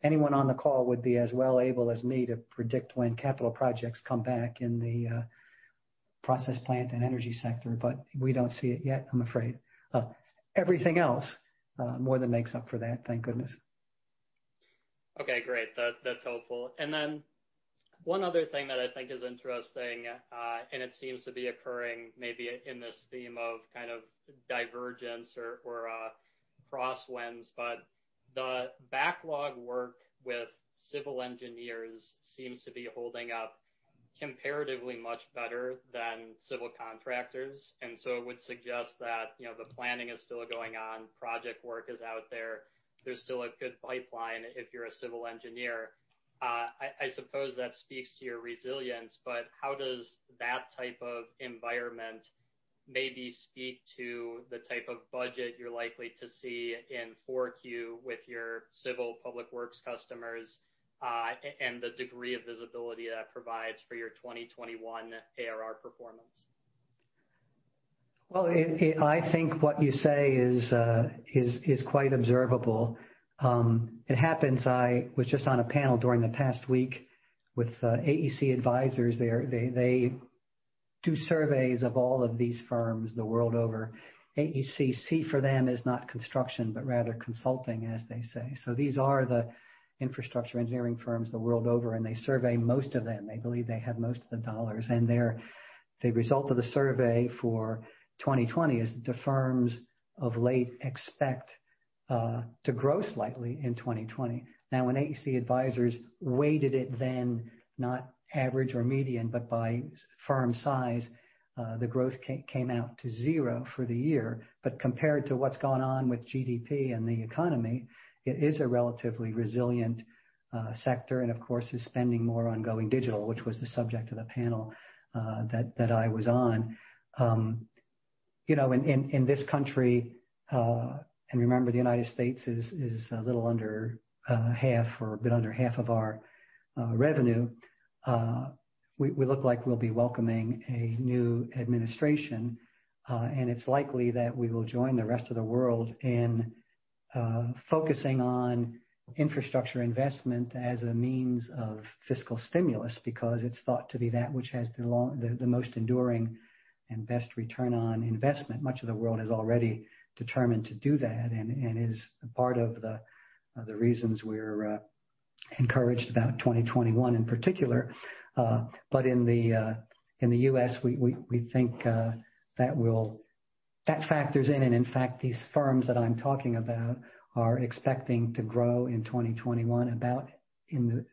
Anyone on the call would be as well able as me to predict when capital projects come back in the process plant and energy sector. We don't see it yet, I'm afraid. Everything else more than makes up for that, thank goodness. Okay, great. That's helpful. One other thing that I think is interesting, and it seems to be occurring maybe in this theme of divergence or crosswinds, but the backlog work with civil engineers seems to be holding up comparatively much better than civil contractors. It would suggest that the planning is still going on, project work is out there. There's still a good pipeline if you're a civil engineer. I suppose that speaks to your resilience, but how does that type of environment maybe speak to the type of budget you're likely to see in 4Q with your civil public works customers, and the degree of visibility that provides for your 2021 ARR performance? Well, I think what you say is quite observable. It happens I was just on a panel during the past week with AEC Advisors. They do surveys of all of these firms, the world over. AEC for them is not construction, but rather consulting, as they say. These are the infrastructure engineering firms the world over, and they survey most of them. They believe they have most of the dollars, and the result of the survey for 2020 is that the firms of late expect to grow slightly in 2020. Now, when AEC Advisors weighted it then, not average or median, but by firm size, the growth came out to zero for the year. Compared to what's gone on with GDP and the economy, it is a relatively resilient sector and, of course, is spending more on going digital, which was the subject of the panel that I was on. In this country, and remember, the United States is a little under half or a bit under half of our revenue, we look like we'll be welcoming a new administration. It's likely that we will join the rest of the world in focusing on infrastructure investment as a means of fiscal stimulus, because it's thought to be that which has the most enduring and best return on investment. Much of the world has already determined to do that, and is a part of the reasons we're encouraged about 2021, in particular. In the U.S., we think that factors in. In fact, these firms that I'm talking about are expecting to grow in 2021 about to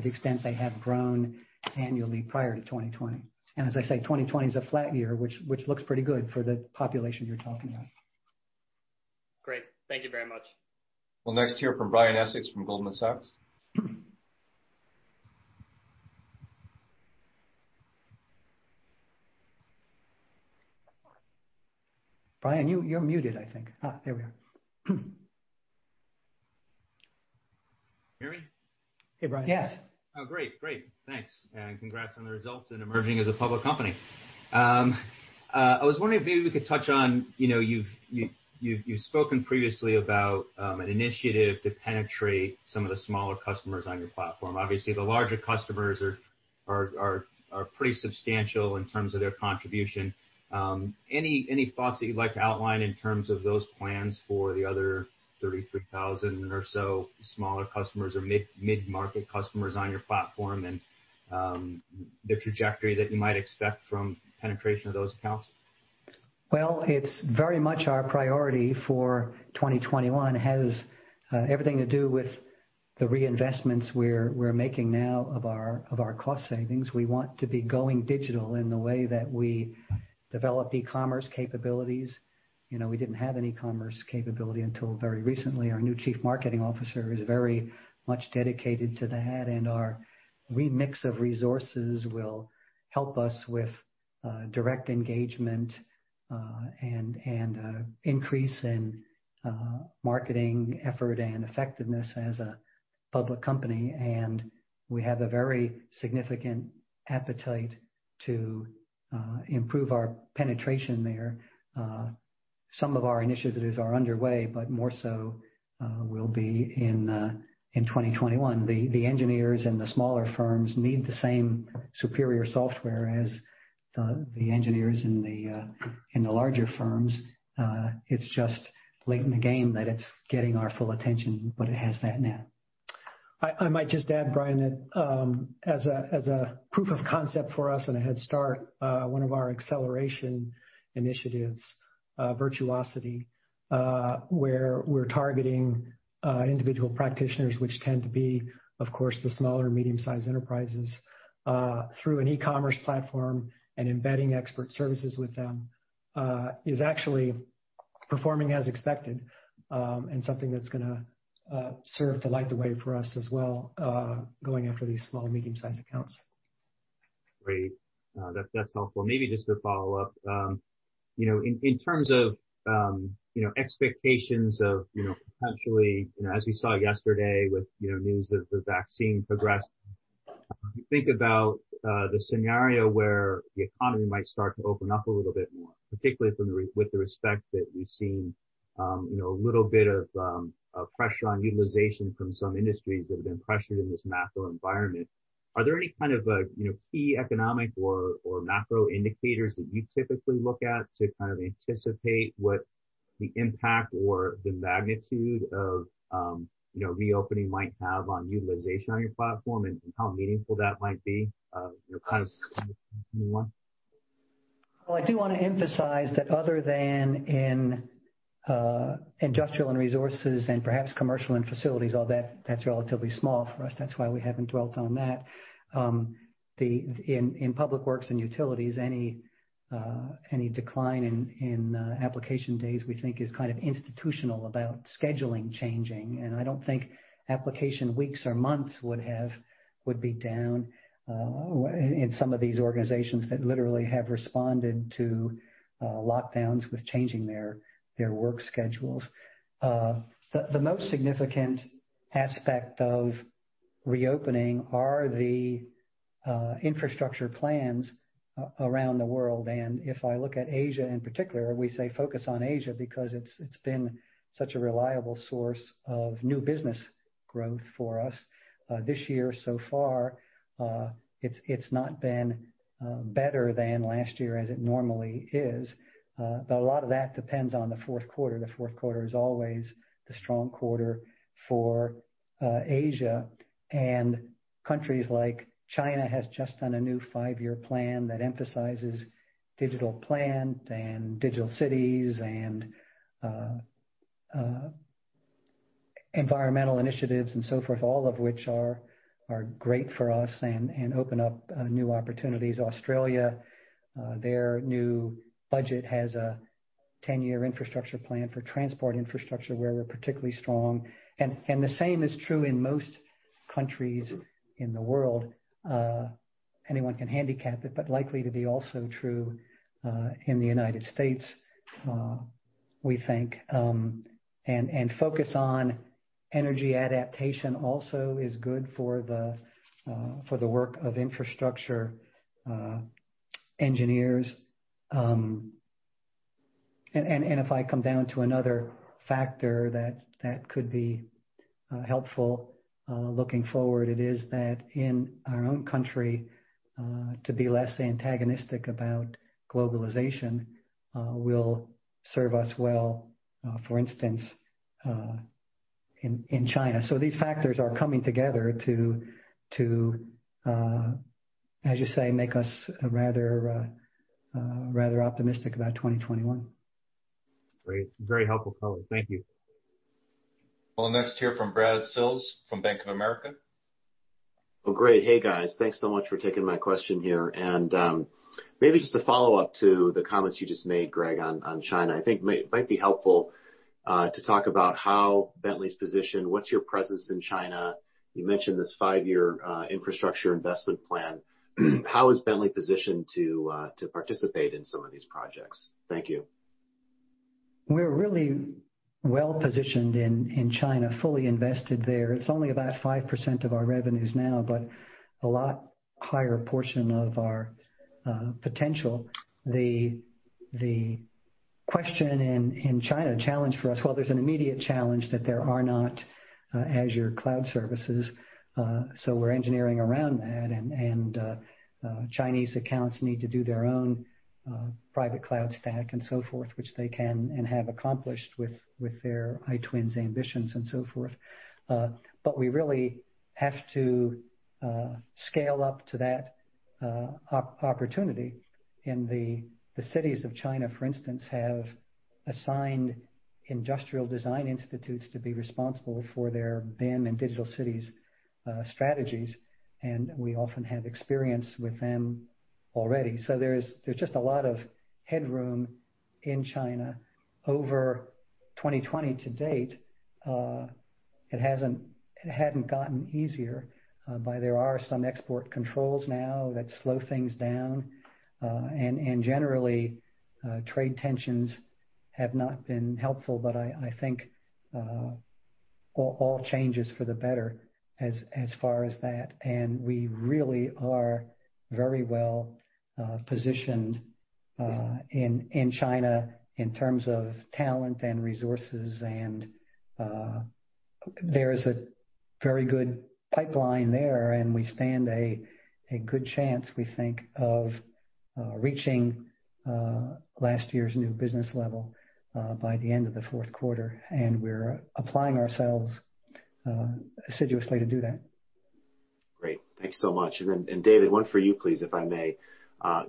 the extent they have grown annually prior to 2020. As I say, 2020 is a flat year, which looks pretty good for the population you're talking about. Great. Thank you very much. We'll next hear from Brian Essex from Goldman Sachs. Brian, you're muted, I think. There we are. Can you hear me? Hey, Brian. Yes. Oh, great. Thanks, and congrats on the results and emerging as a public company. I was wondering if maybe we could touch on, you've spoken previously about an initiative to penetrate some of the smaller customers on your platform. Obviously, the larger customers are pretty substantial in terms of their contribution. Any thoughts that you'd like to outline in terms of those plans for the other 33,000 or so smaller customers or mid-market customers on your platform, and the trajectory that you might expect from penetration of those accounts? Well, it's very much our priority for 2021. It has everything to do with the reinvestments we're making now of our cost savings. We want to be going digital in the way that we develop e-commerce capabilities. We didn't have an e-commerce capability until very recently. Our new Chief Marketing Officer is very much dedicated to that, and our remix of resources will help us with direct engagement, and increase in marketing effort and effectiveness as a public company. We have a very significant appetite to improve our penetration there. Some of our initiatives are underway, more so will be in 2021. The engineers in the smaller firms need the same superior software as the engineers in the larger firms. It's just late in the game that it's getting our full attention, but it has that now. I might just add, Brian, that as a proof of concept for us and a head start, one of our Acceleration Initiatives, Virtuosity, where we're targeting individual practitioners, which tend to be, of course, the smaller medium-sized enterprises, through an e-commerce platform and embedding expert services with them. Is actually performing as expected, and something that's going to serve to light the way for us as well, going after these small, medium-sized accounts. Great. That is helpful. Maybe just to follow up. In terms of expectations of potentially, as we saw yesterday with news of the vaccine progress, when you think about the scenario where the economy might start to open up a little bit more, particularly with the respect that we have seen a little bit of pressure on utilization from some industries that have been pressured in this macro environment. Are there any kind of key economic or macro indicators that you typically look at to anticipate what the impact or the magnitude of reopening might have on utilization on your platform and how meaningful that might be? Kind of going into 2021. I do want to emphasize that other than in industrial and resources and perhaps commercial and facilities, all that's relatively small for us. That's why we haven't dwelt on that. In public works and utilities, any decline in application days we think is kind of institutional about scheduling changing. I don't think application weeks or months would be down in some of these organizations that literally have responded to lockdowns with changing their work schedules. The most significant aspect of reopening are the infrastructure plans around the world. If I look at Asia in particular, we say focus on Asia because it's been such a reliable source of new business growth for us. This year so far, it's not been better than last year as it normally is. A lot of that depends on the fourth quarter. The fourth quarter is always the strong quarter for Asia. Countries like China has just done a new five-year plan that emphasizes digital plant and digital cities and environmental initiatives and so forth. All of which are great for us and open up new opportunities. Australia, their new budget has a 10-year infrastructure plan for transport infrastructure where we're particularly strong. The same is true in most countries in the world. Anyone can handicap it, likely to be also true in the United States, we think. Focus on energy adaptation also is good for the work of infrastructure engineers. If I come down to another factor that could be helpful looking forward, it is that in our own country, to be less antagonistic about globalization will serve us well, for instance, in China. These factors are coming together to, as you say, make us rather optimistic about 2021. Great. Very helpful color. Thank you. We'll next hear from Brad Sills from Bank of America. Oh, great. Hey, guys. Thanks so much for taking my question here. Maybe just a follow-up to the comments you just made, Greg, on China. I think it might be helpful to talk about how Bentley's positioned. What's your presence in China? You mentioned this five-year infrastructure investment plan. How is Bentley positioned to participate in some of these projects? Thank you. We're really well-positioned in China, fully invested there. It's only about 5% of our revenues now, but a lot higher portion of our potential. The question in China, challenge for us, well, there's an immediate challenge that there are not Azure cloud services. We're engineering around that and Chinese accounts need to do their own private cloud stack and so forth, which they can and have accomplished with their iTwins ambitions and so forth. We really have to scale up to that opportunity. The cities of China, for instance, have assigned industrial design institutes to be responsible for their BIM and digital cities strategies, and we often have experience with them already. There's just a lot of headroom in China. Over 2020 to date, it hadn't gotten easier. There are some export controls now that slow things down. Generally, trade tensions have not been helpful. I think all changes for the better as far as that. We really are very well positioned in China in terms of talent and resources. There is a very good pipeline there, and we stand a good chance, we think, of reaching last year's new business level by the end of the fourth quarter. We're applying ourselves assiduously to do that. Great. Thanks so much. Then, David, one for you, please, if I may.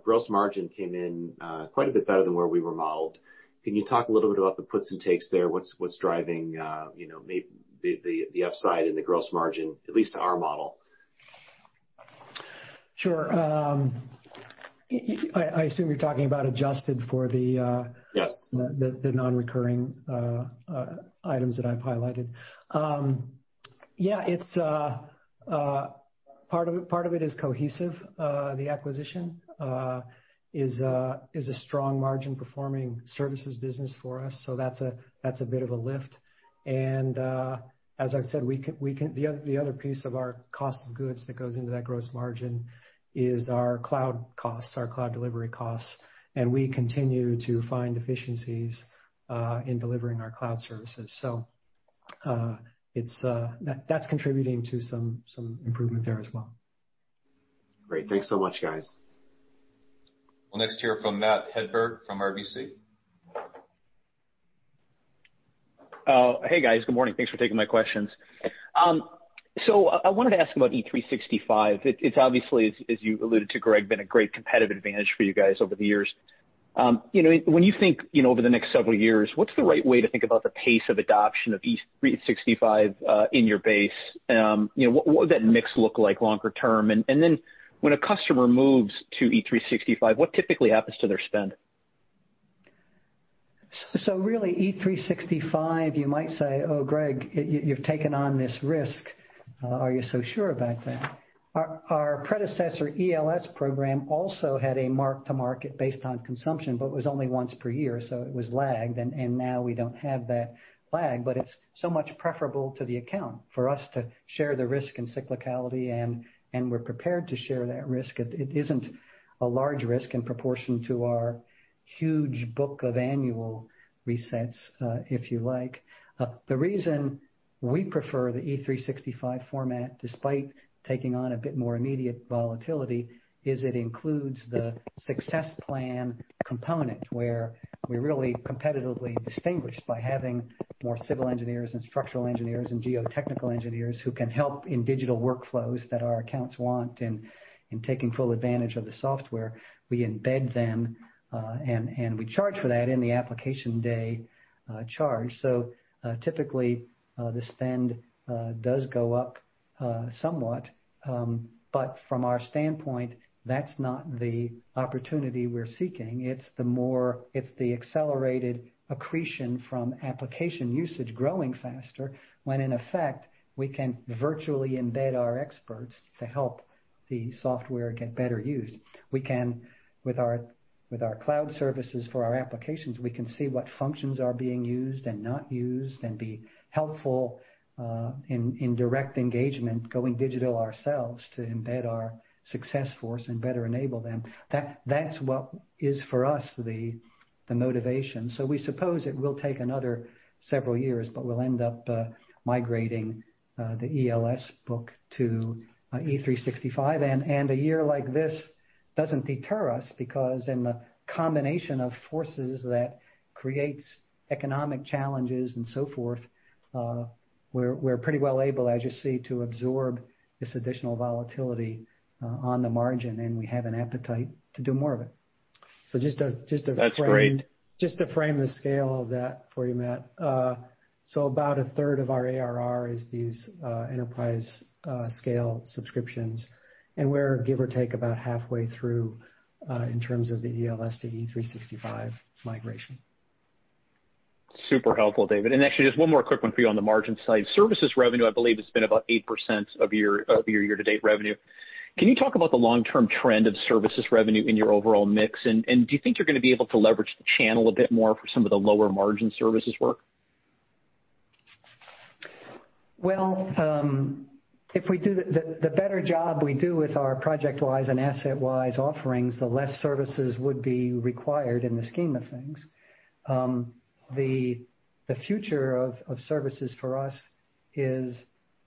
Gross margin came in quite a bit better than where we were modeled. Can you talk a little bit about the puts and takes there? What's driving the upside in the gross margin, at least to our model? Sure. I assume you're talking about adjusted for the- Yes the non-recurring items that I've highlighted. Yeah. Part of it is Cohesive. The acquisition is a strong margin-performing services business for us. That's a bit of a lift. As I've said, the other piece of our cost of goods that goes into that gross margin is our cloud costs, our cloud delivery costs. We continue to find efficiencies in delivering our cloud services. That's contributing to some improvement there as well. Great. Thanks so much, guys. We'll next hear from Matt Hedberg from RBC. Hey, guys. Good morning. Thanks for taking my questions. I wanted to ask about E365. It's obviously, as you alluded to, Greg, been a great competitive advantage for you guys over the years. When you think over the next several years, what's the right way to think about the pace of adoption of E365, in your base? What would that mix look like longer term? When a customer moves to E365, what typically happens to their spend? Really, E365, you might say, "Oh, Greg, you've taken on this risk. Are you so sure about that?" Our predecessor ELS program also had a mark-to-market based on consumption, but was only once per year, so it was lagged. Now we don't have that lag, but it's so much preferable to the account for us to share the risk and cyclicality, and we're prepared to share that risk. It isn't a large risk in proportion to our huge book of annual resets, if you like. The reason we prefer the E365 format, despite taking on a bit more immediate volatility, is it includes the success plan component, where we really competitively distinguish by having more civil engineers and structural engineers and geotechnical engineers who can help in digital workflows that our accounts want and in taking full advantage of the software. We embed them, and we charge for that in the application day charge. Typically, the spend does go up somewhat. From our standpoint, that's not the opportunity we're seeking. It's the accelerated accretion from application usage growing faster, when in effect, we can virtually embed our experts to help the software get better used. With our cloud services for our applications, we can see what functions are being used and not used, and be helpful in direct engagement, going digital ourselves to embed our Success Forces and better enable them. That's what is, for us, the motivation. We suppose it will take another several years, but we'll end up migrating the ELS book to E365. A year like this doesn't deter us because in the combination of forces that creates economic challenges and so forth, we're pretty well able, as you see, to absorb this additional volatility on the margin, and we have an appetite to do more of it. That's great. Just to frame the scale of that for you, Matt. About a third of our ARR is these enterprise scale subscriptions. We're give or take about halfway through, in terms of the ELS to E365 migration. Super helpful, David. Actually, just one more quick one for you on the margin side. Services revenue, I believe, has been about 8% of your year-to-date revenue. Can you talk about the long-term trend of services revenue in your overall mix, and do you think you're going to be able to leverage the channel a bit more for some of the lower margin services work? Well, the better job we do with our ProjectWise and AssetWise offerings, the less services would be required in the scheme of things. The future of services for us is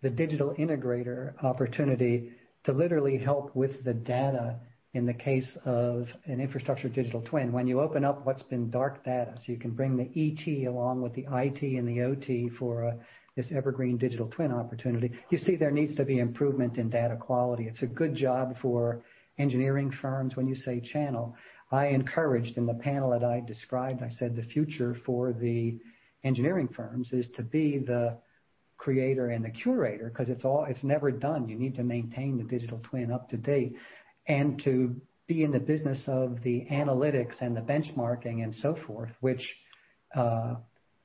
the digital integrator opportunity to literally help with the data in the case of an infrastructure digital twin. When you open up what's been dark data, so you can bring the ET along with the IT and the OT for this evergreen digital twin opportunity, you see there needs to be improvement in data quality. It's a good job for engineering firms. When you say channel, I encouraged in the panel that I described, I said the future for the engineering firms is to be the creator and the curator, because it's never done. You need to maintain the digital twin up to date and to be in the business of the analytics and the benchmarking and so forth.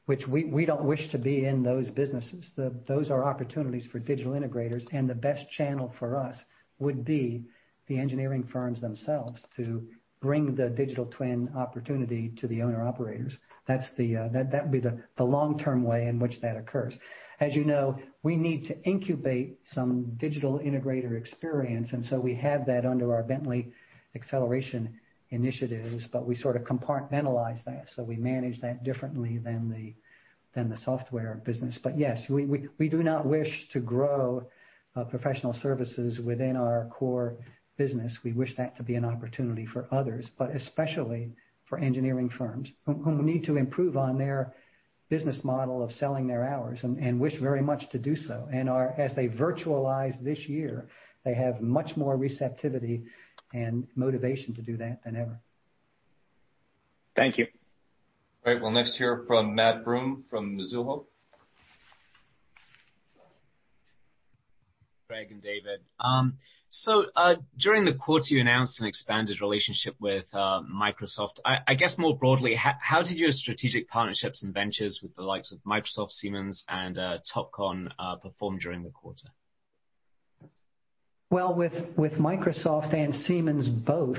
Which we don't wish to be in those businesses. Those are opportunities for digital integrators, and the best channel for us would be the engineering firms themselves to bring the digital twin opportunity to the owner-operators. That would be the long-term way in which that occurs. As you know, we need to incubate some digital integrator experience. We have that under our Bentley Acceleration Initiatives, but we sort of compartmentalize that. We manage that differently than the software business. Yes, we do not wish to grow professional services within our core business. We wish that to be an opportunity for others, but especially for engineering firms who need to improve on their business model of selling their hours and wish very much to do so. As they virtualize this year, they have much more receptivity and motivation to do that than ever. Thank you. Great. We'll next hear from Matthew Broome from Mizuho. Greg and David. During the quarter, you announced an expanded relationship with Microsoft. I guess more broadly, how did your strategic partnerships and ventures with the likes of Microsoft, Siemens, and Topcon perform during the quarter? Well, with Microsoft and Siemens both,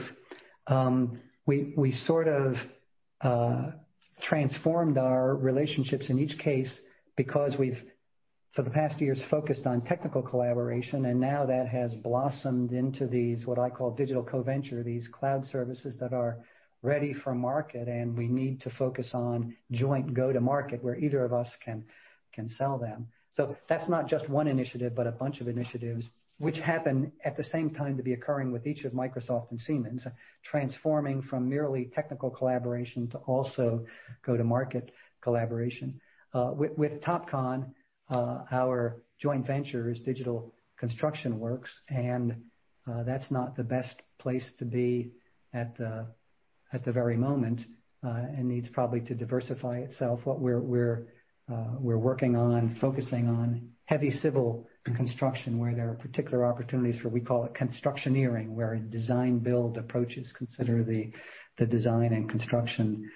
we sort of transformed our relationships in each case because we've, for the past few years, focused on technical collaboration, and now that has blossomed into these, what I call digital co-venture, these cloud services that are ready for market, and we need to focus on joint go to market where either of us can sell them. That's not just one initiative, but a bunch of initiatives which happen at the same time to be occurring with each of Microsoft and Siemens, transforming from merely technical collaboration to also go-to-market collaboration. With Topcon, our joint venture is Digital Construction Works, and that's not the best place to be at the very moment, and needs probably to diversify itself. What we're working on, focusing on heavy civil construction, where there are particular opportunities for, we call it constructioneering, where a design build approach is considered the design and construction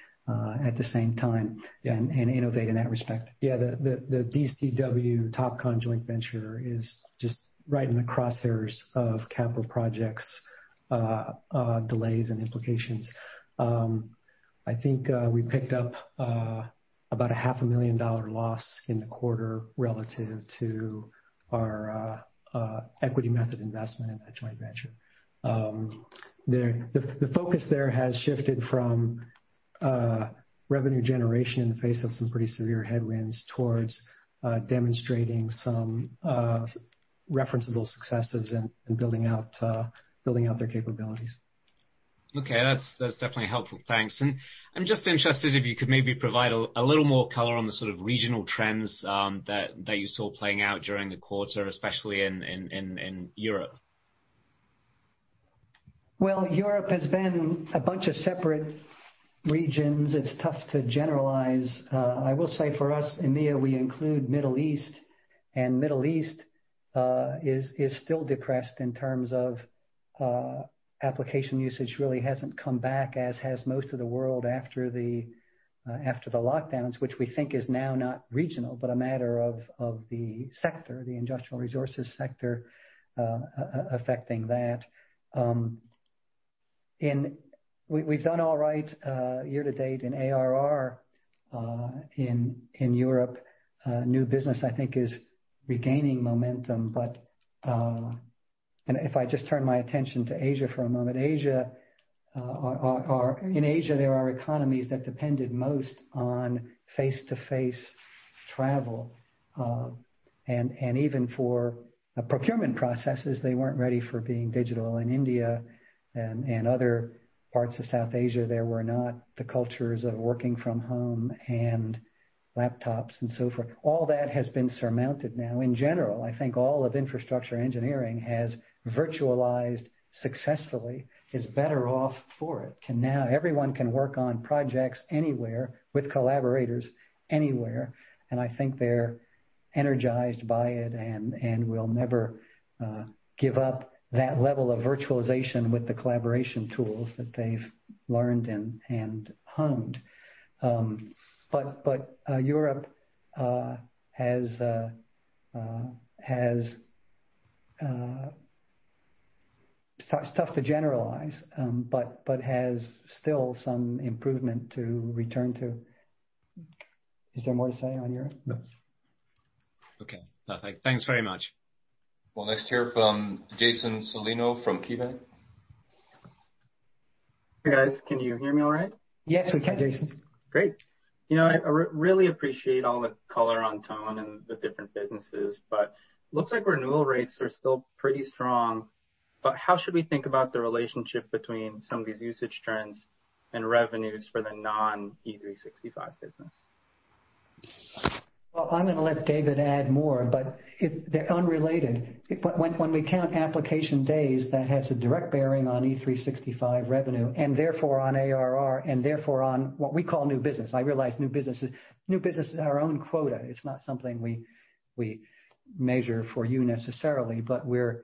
at the same time and innovate in that respect. Yeah. The DCW Topcon joint venture is just right in the crosshairs of capital projects delays and implications. I think we picked up about a half a million dollar loss in the quarter relative to our equity method investment in that joint venture. The focus there has shifted from revenue generation in the face of some pretty severe headwinds towards demonstrating some referenceable successes and building out their capabilities. Okay. That's definitely helpful. Thanks. I'm just interested if you could maybe provide a little more color on the sort of regional trends that you saw playing out during the quarter, especially in Europe? Well, Europe has been a bunch of separate regions. It's tough to generalize. I will say for us, EMEA, we include Middle East. Middle East is still depressed in terms of application usage really hasn't come back as has most of the world after the lockdowns, which we think is now not regional, but a matter of the sector, the industrial resources sector, affecting that. We've done all right year to date in ARR in Europe. New business, I think, is regaining momentum. If I just turn my attention to Asia for a moment. In Asia, there are economies that depended most on face-to-face travel. Even for procurement processes, they weren't ready for being digital. In India and other parts of South Asia, there were not the cultures of working from home and laptops and so forth. All that has been surmounted now. In general, I think all of infrastructure engineering has virtualized successfully, is better off for it. Everyone can work on projects anywhere with collaborators anywhere, and I think they're energized by it and will never give up that level of virtualization with the collaboration tools that they've learned and honed. Europe, it's tough to generalize, but has still some improvement to return to. Is there more to say on Europe? No. Okay, perfect. Thanks very much. We'll next hear from Jason Celino from KeyBanc. Hey, guys. Can you hear me all right? Yes, we can, Jason. Great. I really appreciate all the color on tone and the different businesses, but looks like renewal rates are still pretty strong. How should we think about the relationship between some of these usage trends and revenues for the non-E365 business? I'm going to let David add more, but they're unrelated. When we count application days, that has a direct bearing on E365 revenue and therefore on ARR, and therefore on what we call new business. I realize new business is our own quota. It's not something we measure for you necessarily, but we're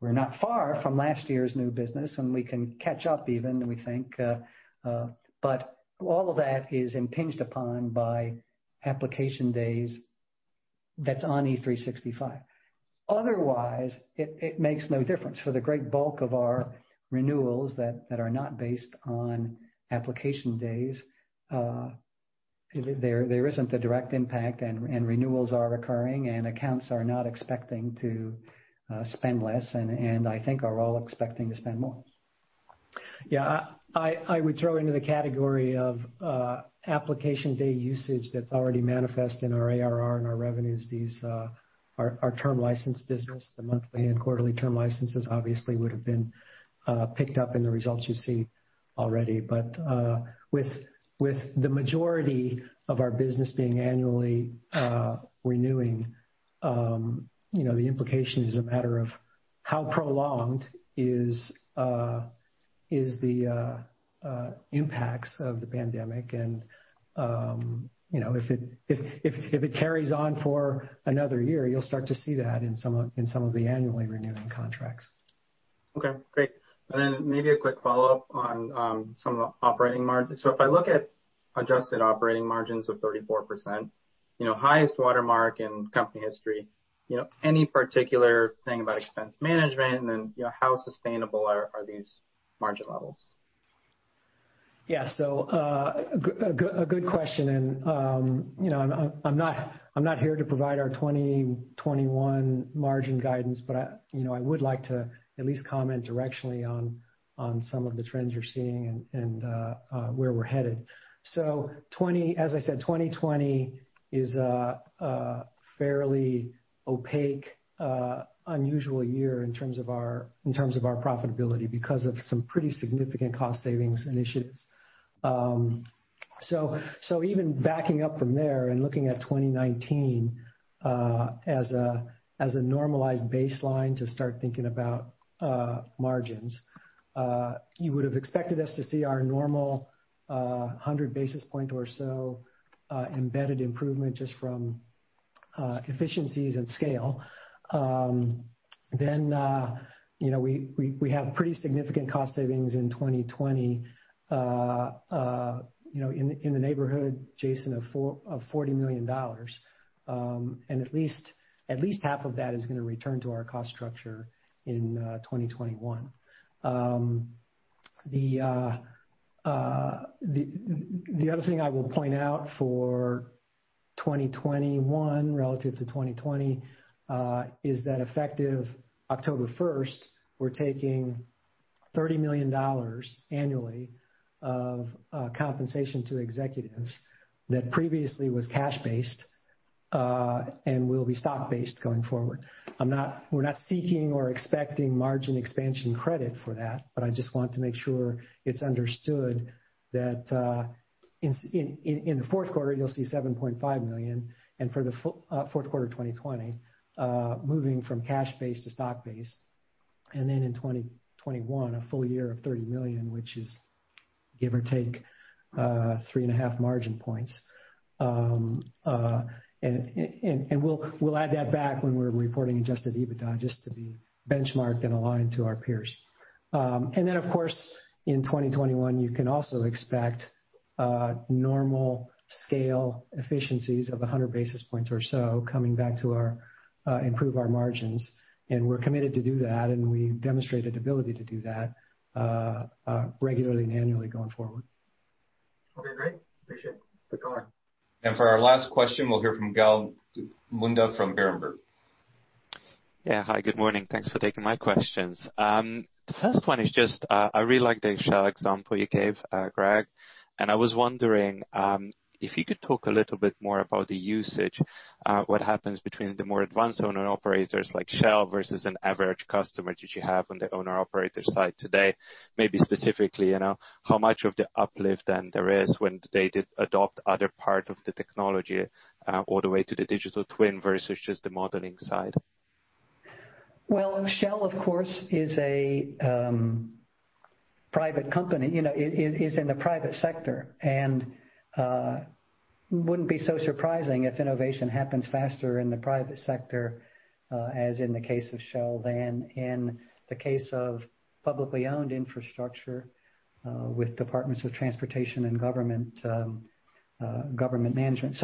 not far from last year's new business, and we can catch up even, we think. All of that is impinged upon by application days that's on E365. Otherwise, it makes no difference. For the great bulk of our renewals that are not based on application days, there isn't a direct impact and renewals are occurring and accounts are not expecting to spend less and I think are all expecting to spend more. Yeah. I would throw into the category of application day usage that's already manifest in our ARR and our revenues. These are our term license business. The monthly and quarterly term licenses obviously would have been picked up in the results you see already. With the majority of our business being annually renewing, the implication is a matter of how prolonged is the impacts of the pandemic and if it carries on for another year, you'll start to see that in some of the annually renewing contracts. Okay, great. Maybe a quick follow-up on some of the operating margin? If I look at adjusted operating margins of 34%, highest watermark in company history. Any particular thing about expense management? How sustainable are these margin levels? Yeah. A good question. I'm not here to provide our 2021 margin guidance, but I would like to at least comment directionally on some of the trends you're seeing and where we're headed. As I said, 2020 is a fairly opaque, unusual year in terms of our profitability, because of some pretty significant cost savings initiatives. Even backing up from there and looking at 2019 as a normalized baseline to start thinking about margins, you would've expected us to see our normal 100 basis point or so embedded improvement just from efficiencies and scale. We have pretty significant cost savings in 2020, in the neighborhood, Jason, of $40 million. At least half of that is going to return to our cost structure in 2021. The other thing I will point out for 2021 relative to 2020, is that effective October 1st, we're taking $30 million annually of compensation to executives that previously was cash-based, and will be stock-based going forward. We're not seeking or expecting margin expansion credit for that. I just want to make sure it's understood that in the fourth quarter, you'll see $7.5 million. For the fourth quarter 2020, moving from cash-based to stock-based, in 2021, a full year of $30 million, which is give or take 3.5 margin points. We'll add that back when we're reporting adjusted EBITDA just to be benchmarked and aligned to our peers. Of course, in 2021, you can also expect normal scale efficiencies of 100 basis points or so coming back to improve our margins. We're committed to do that, and we demonstrated ability to do that regularly and annually going forward. Okay, great. Appreciate it. Good going. For our last question, we'll hear from Gal Munda from Berenberg. Yeah. Hi, good morning. Thanks for taking my questions. The first one is just, I really like the Shell example you gave, Greg. I was wondering, if you could talk a little bit more about the usage. What happens between the more advanced owner operators like Shell versus an average customer that you have on the owner/operator side today, maybe specifically, how much of the uplift then there is when they did adopt other part of the technology, all the way to the digital twin versus just the modeling side? Well, Shell, of course, is a private company. It is in the private sector. Wouldn't be so surprising if innovation happens faster in the private sector, as in the case of Shell than in the case of publicly owned infrastructure, with departments of transportation and government management.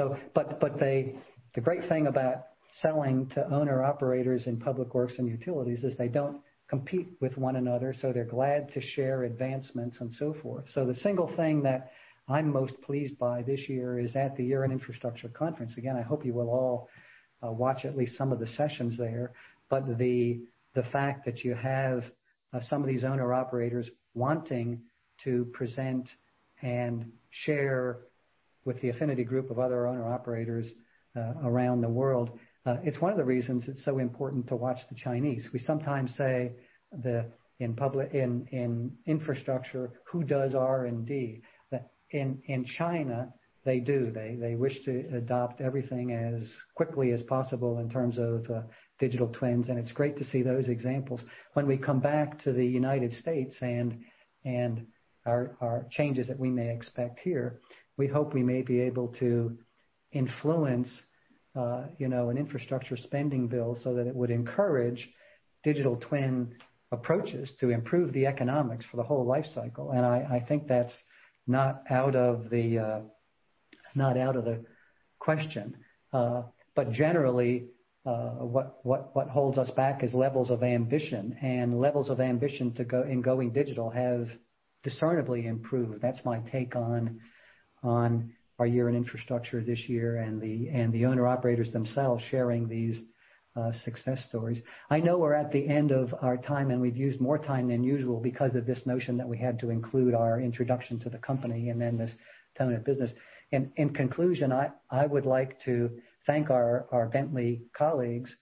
The great thing about selling to owner/operators in public works and utilities is they don't compete with one another, so they're glad to share advancements and so forth. The single thing that I'm most pleased by this year is at the Year in Infrastructure conference. Again, I hope you will all watch at least some of the sessions there. It is the fact that you have some of these owner/operators wanting to present and share with the affinity group of other owner/operators around the world. It's one of the reasons it's so important to watch the Chinese. We sometimes say that in infrastructure, who does R&D? That in China, they do. They wish to adopt everything as quickly as possible in terms of digital twins, and it's great to see those examples. When we come back to the United States and our changes that we may expect here, we hope we may be able to influence an infrastructure spending bill so that it would encourage digital twin approaches to improve the economics for the whole life cycle. I think that's not out of the question. But generally, what holds us back is levels of ambition. Levels of ambition in going digital have discernibly improved. That's my take on our Year in Infrastructure this year and the owner/operators themselves sharing these success stories. I know we're at the end of our time, and we've used more time than usual because of this notion that we had to include our introduction to the company and then this tone of business. In conclusion, I would like to thank our Bentley colleagues,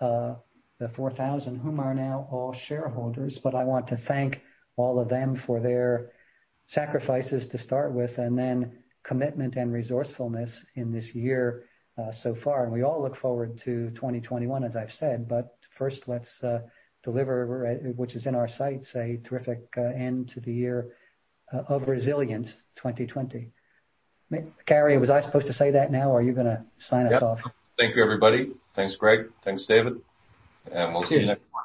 the 4,000 whom are now all shareholders. I want to thank all of them for their sacrifices to start with, and then commitment and resourcefulness in this year so far. We all look forward to 2021, as I've said. First, let's deliver, which is in our sights, a terrific end to the year of resilience, 2020. Greg, was I supposed to say that now or are you going to sign us off? Yep. Thank you everybody. Thanks, Greg. Thanks, David. We'll see you next quarter.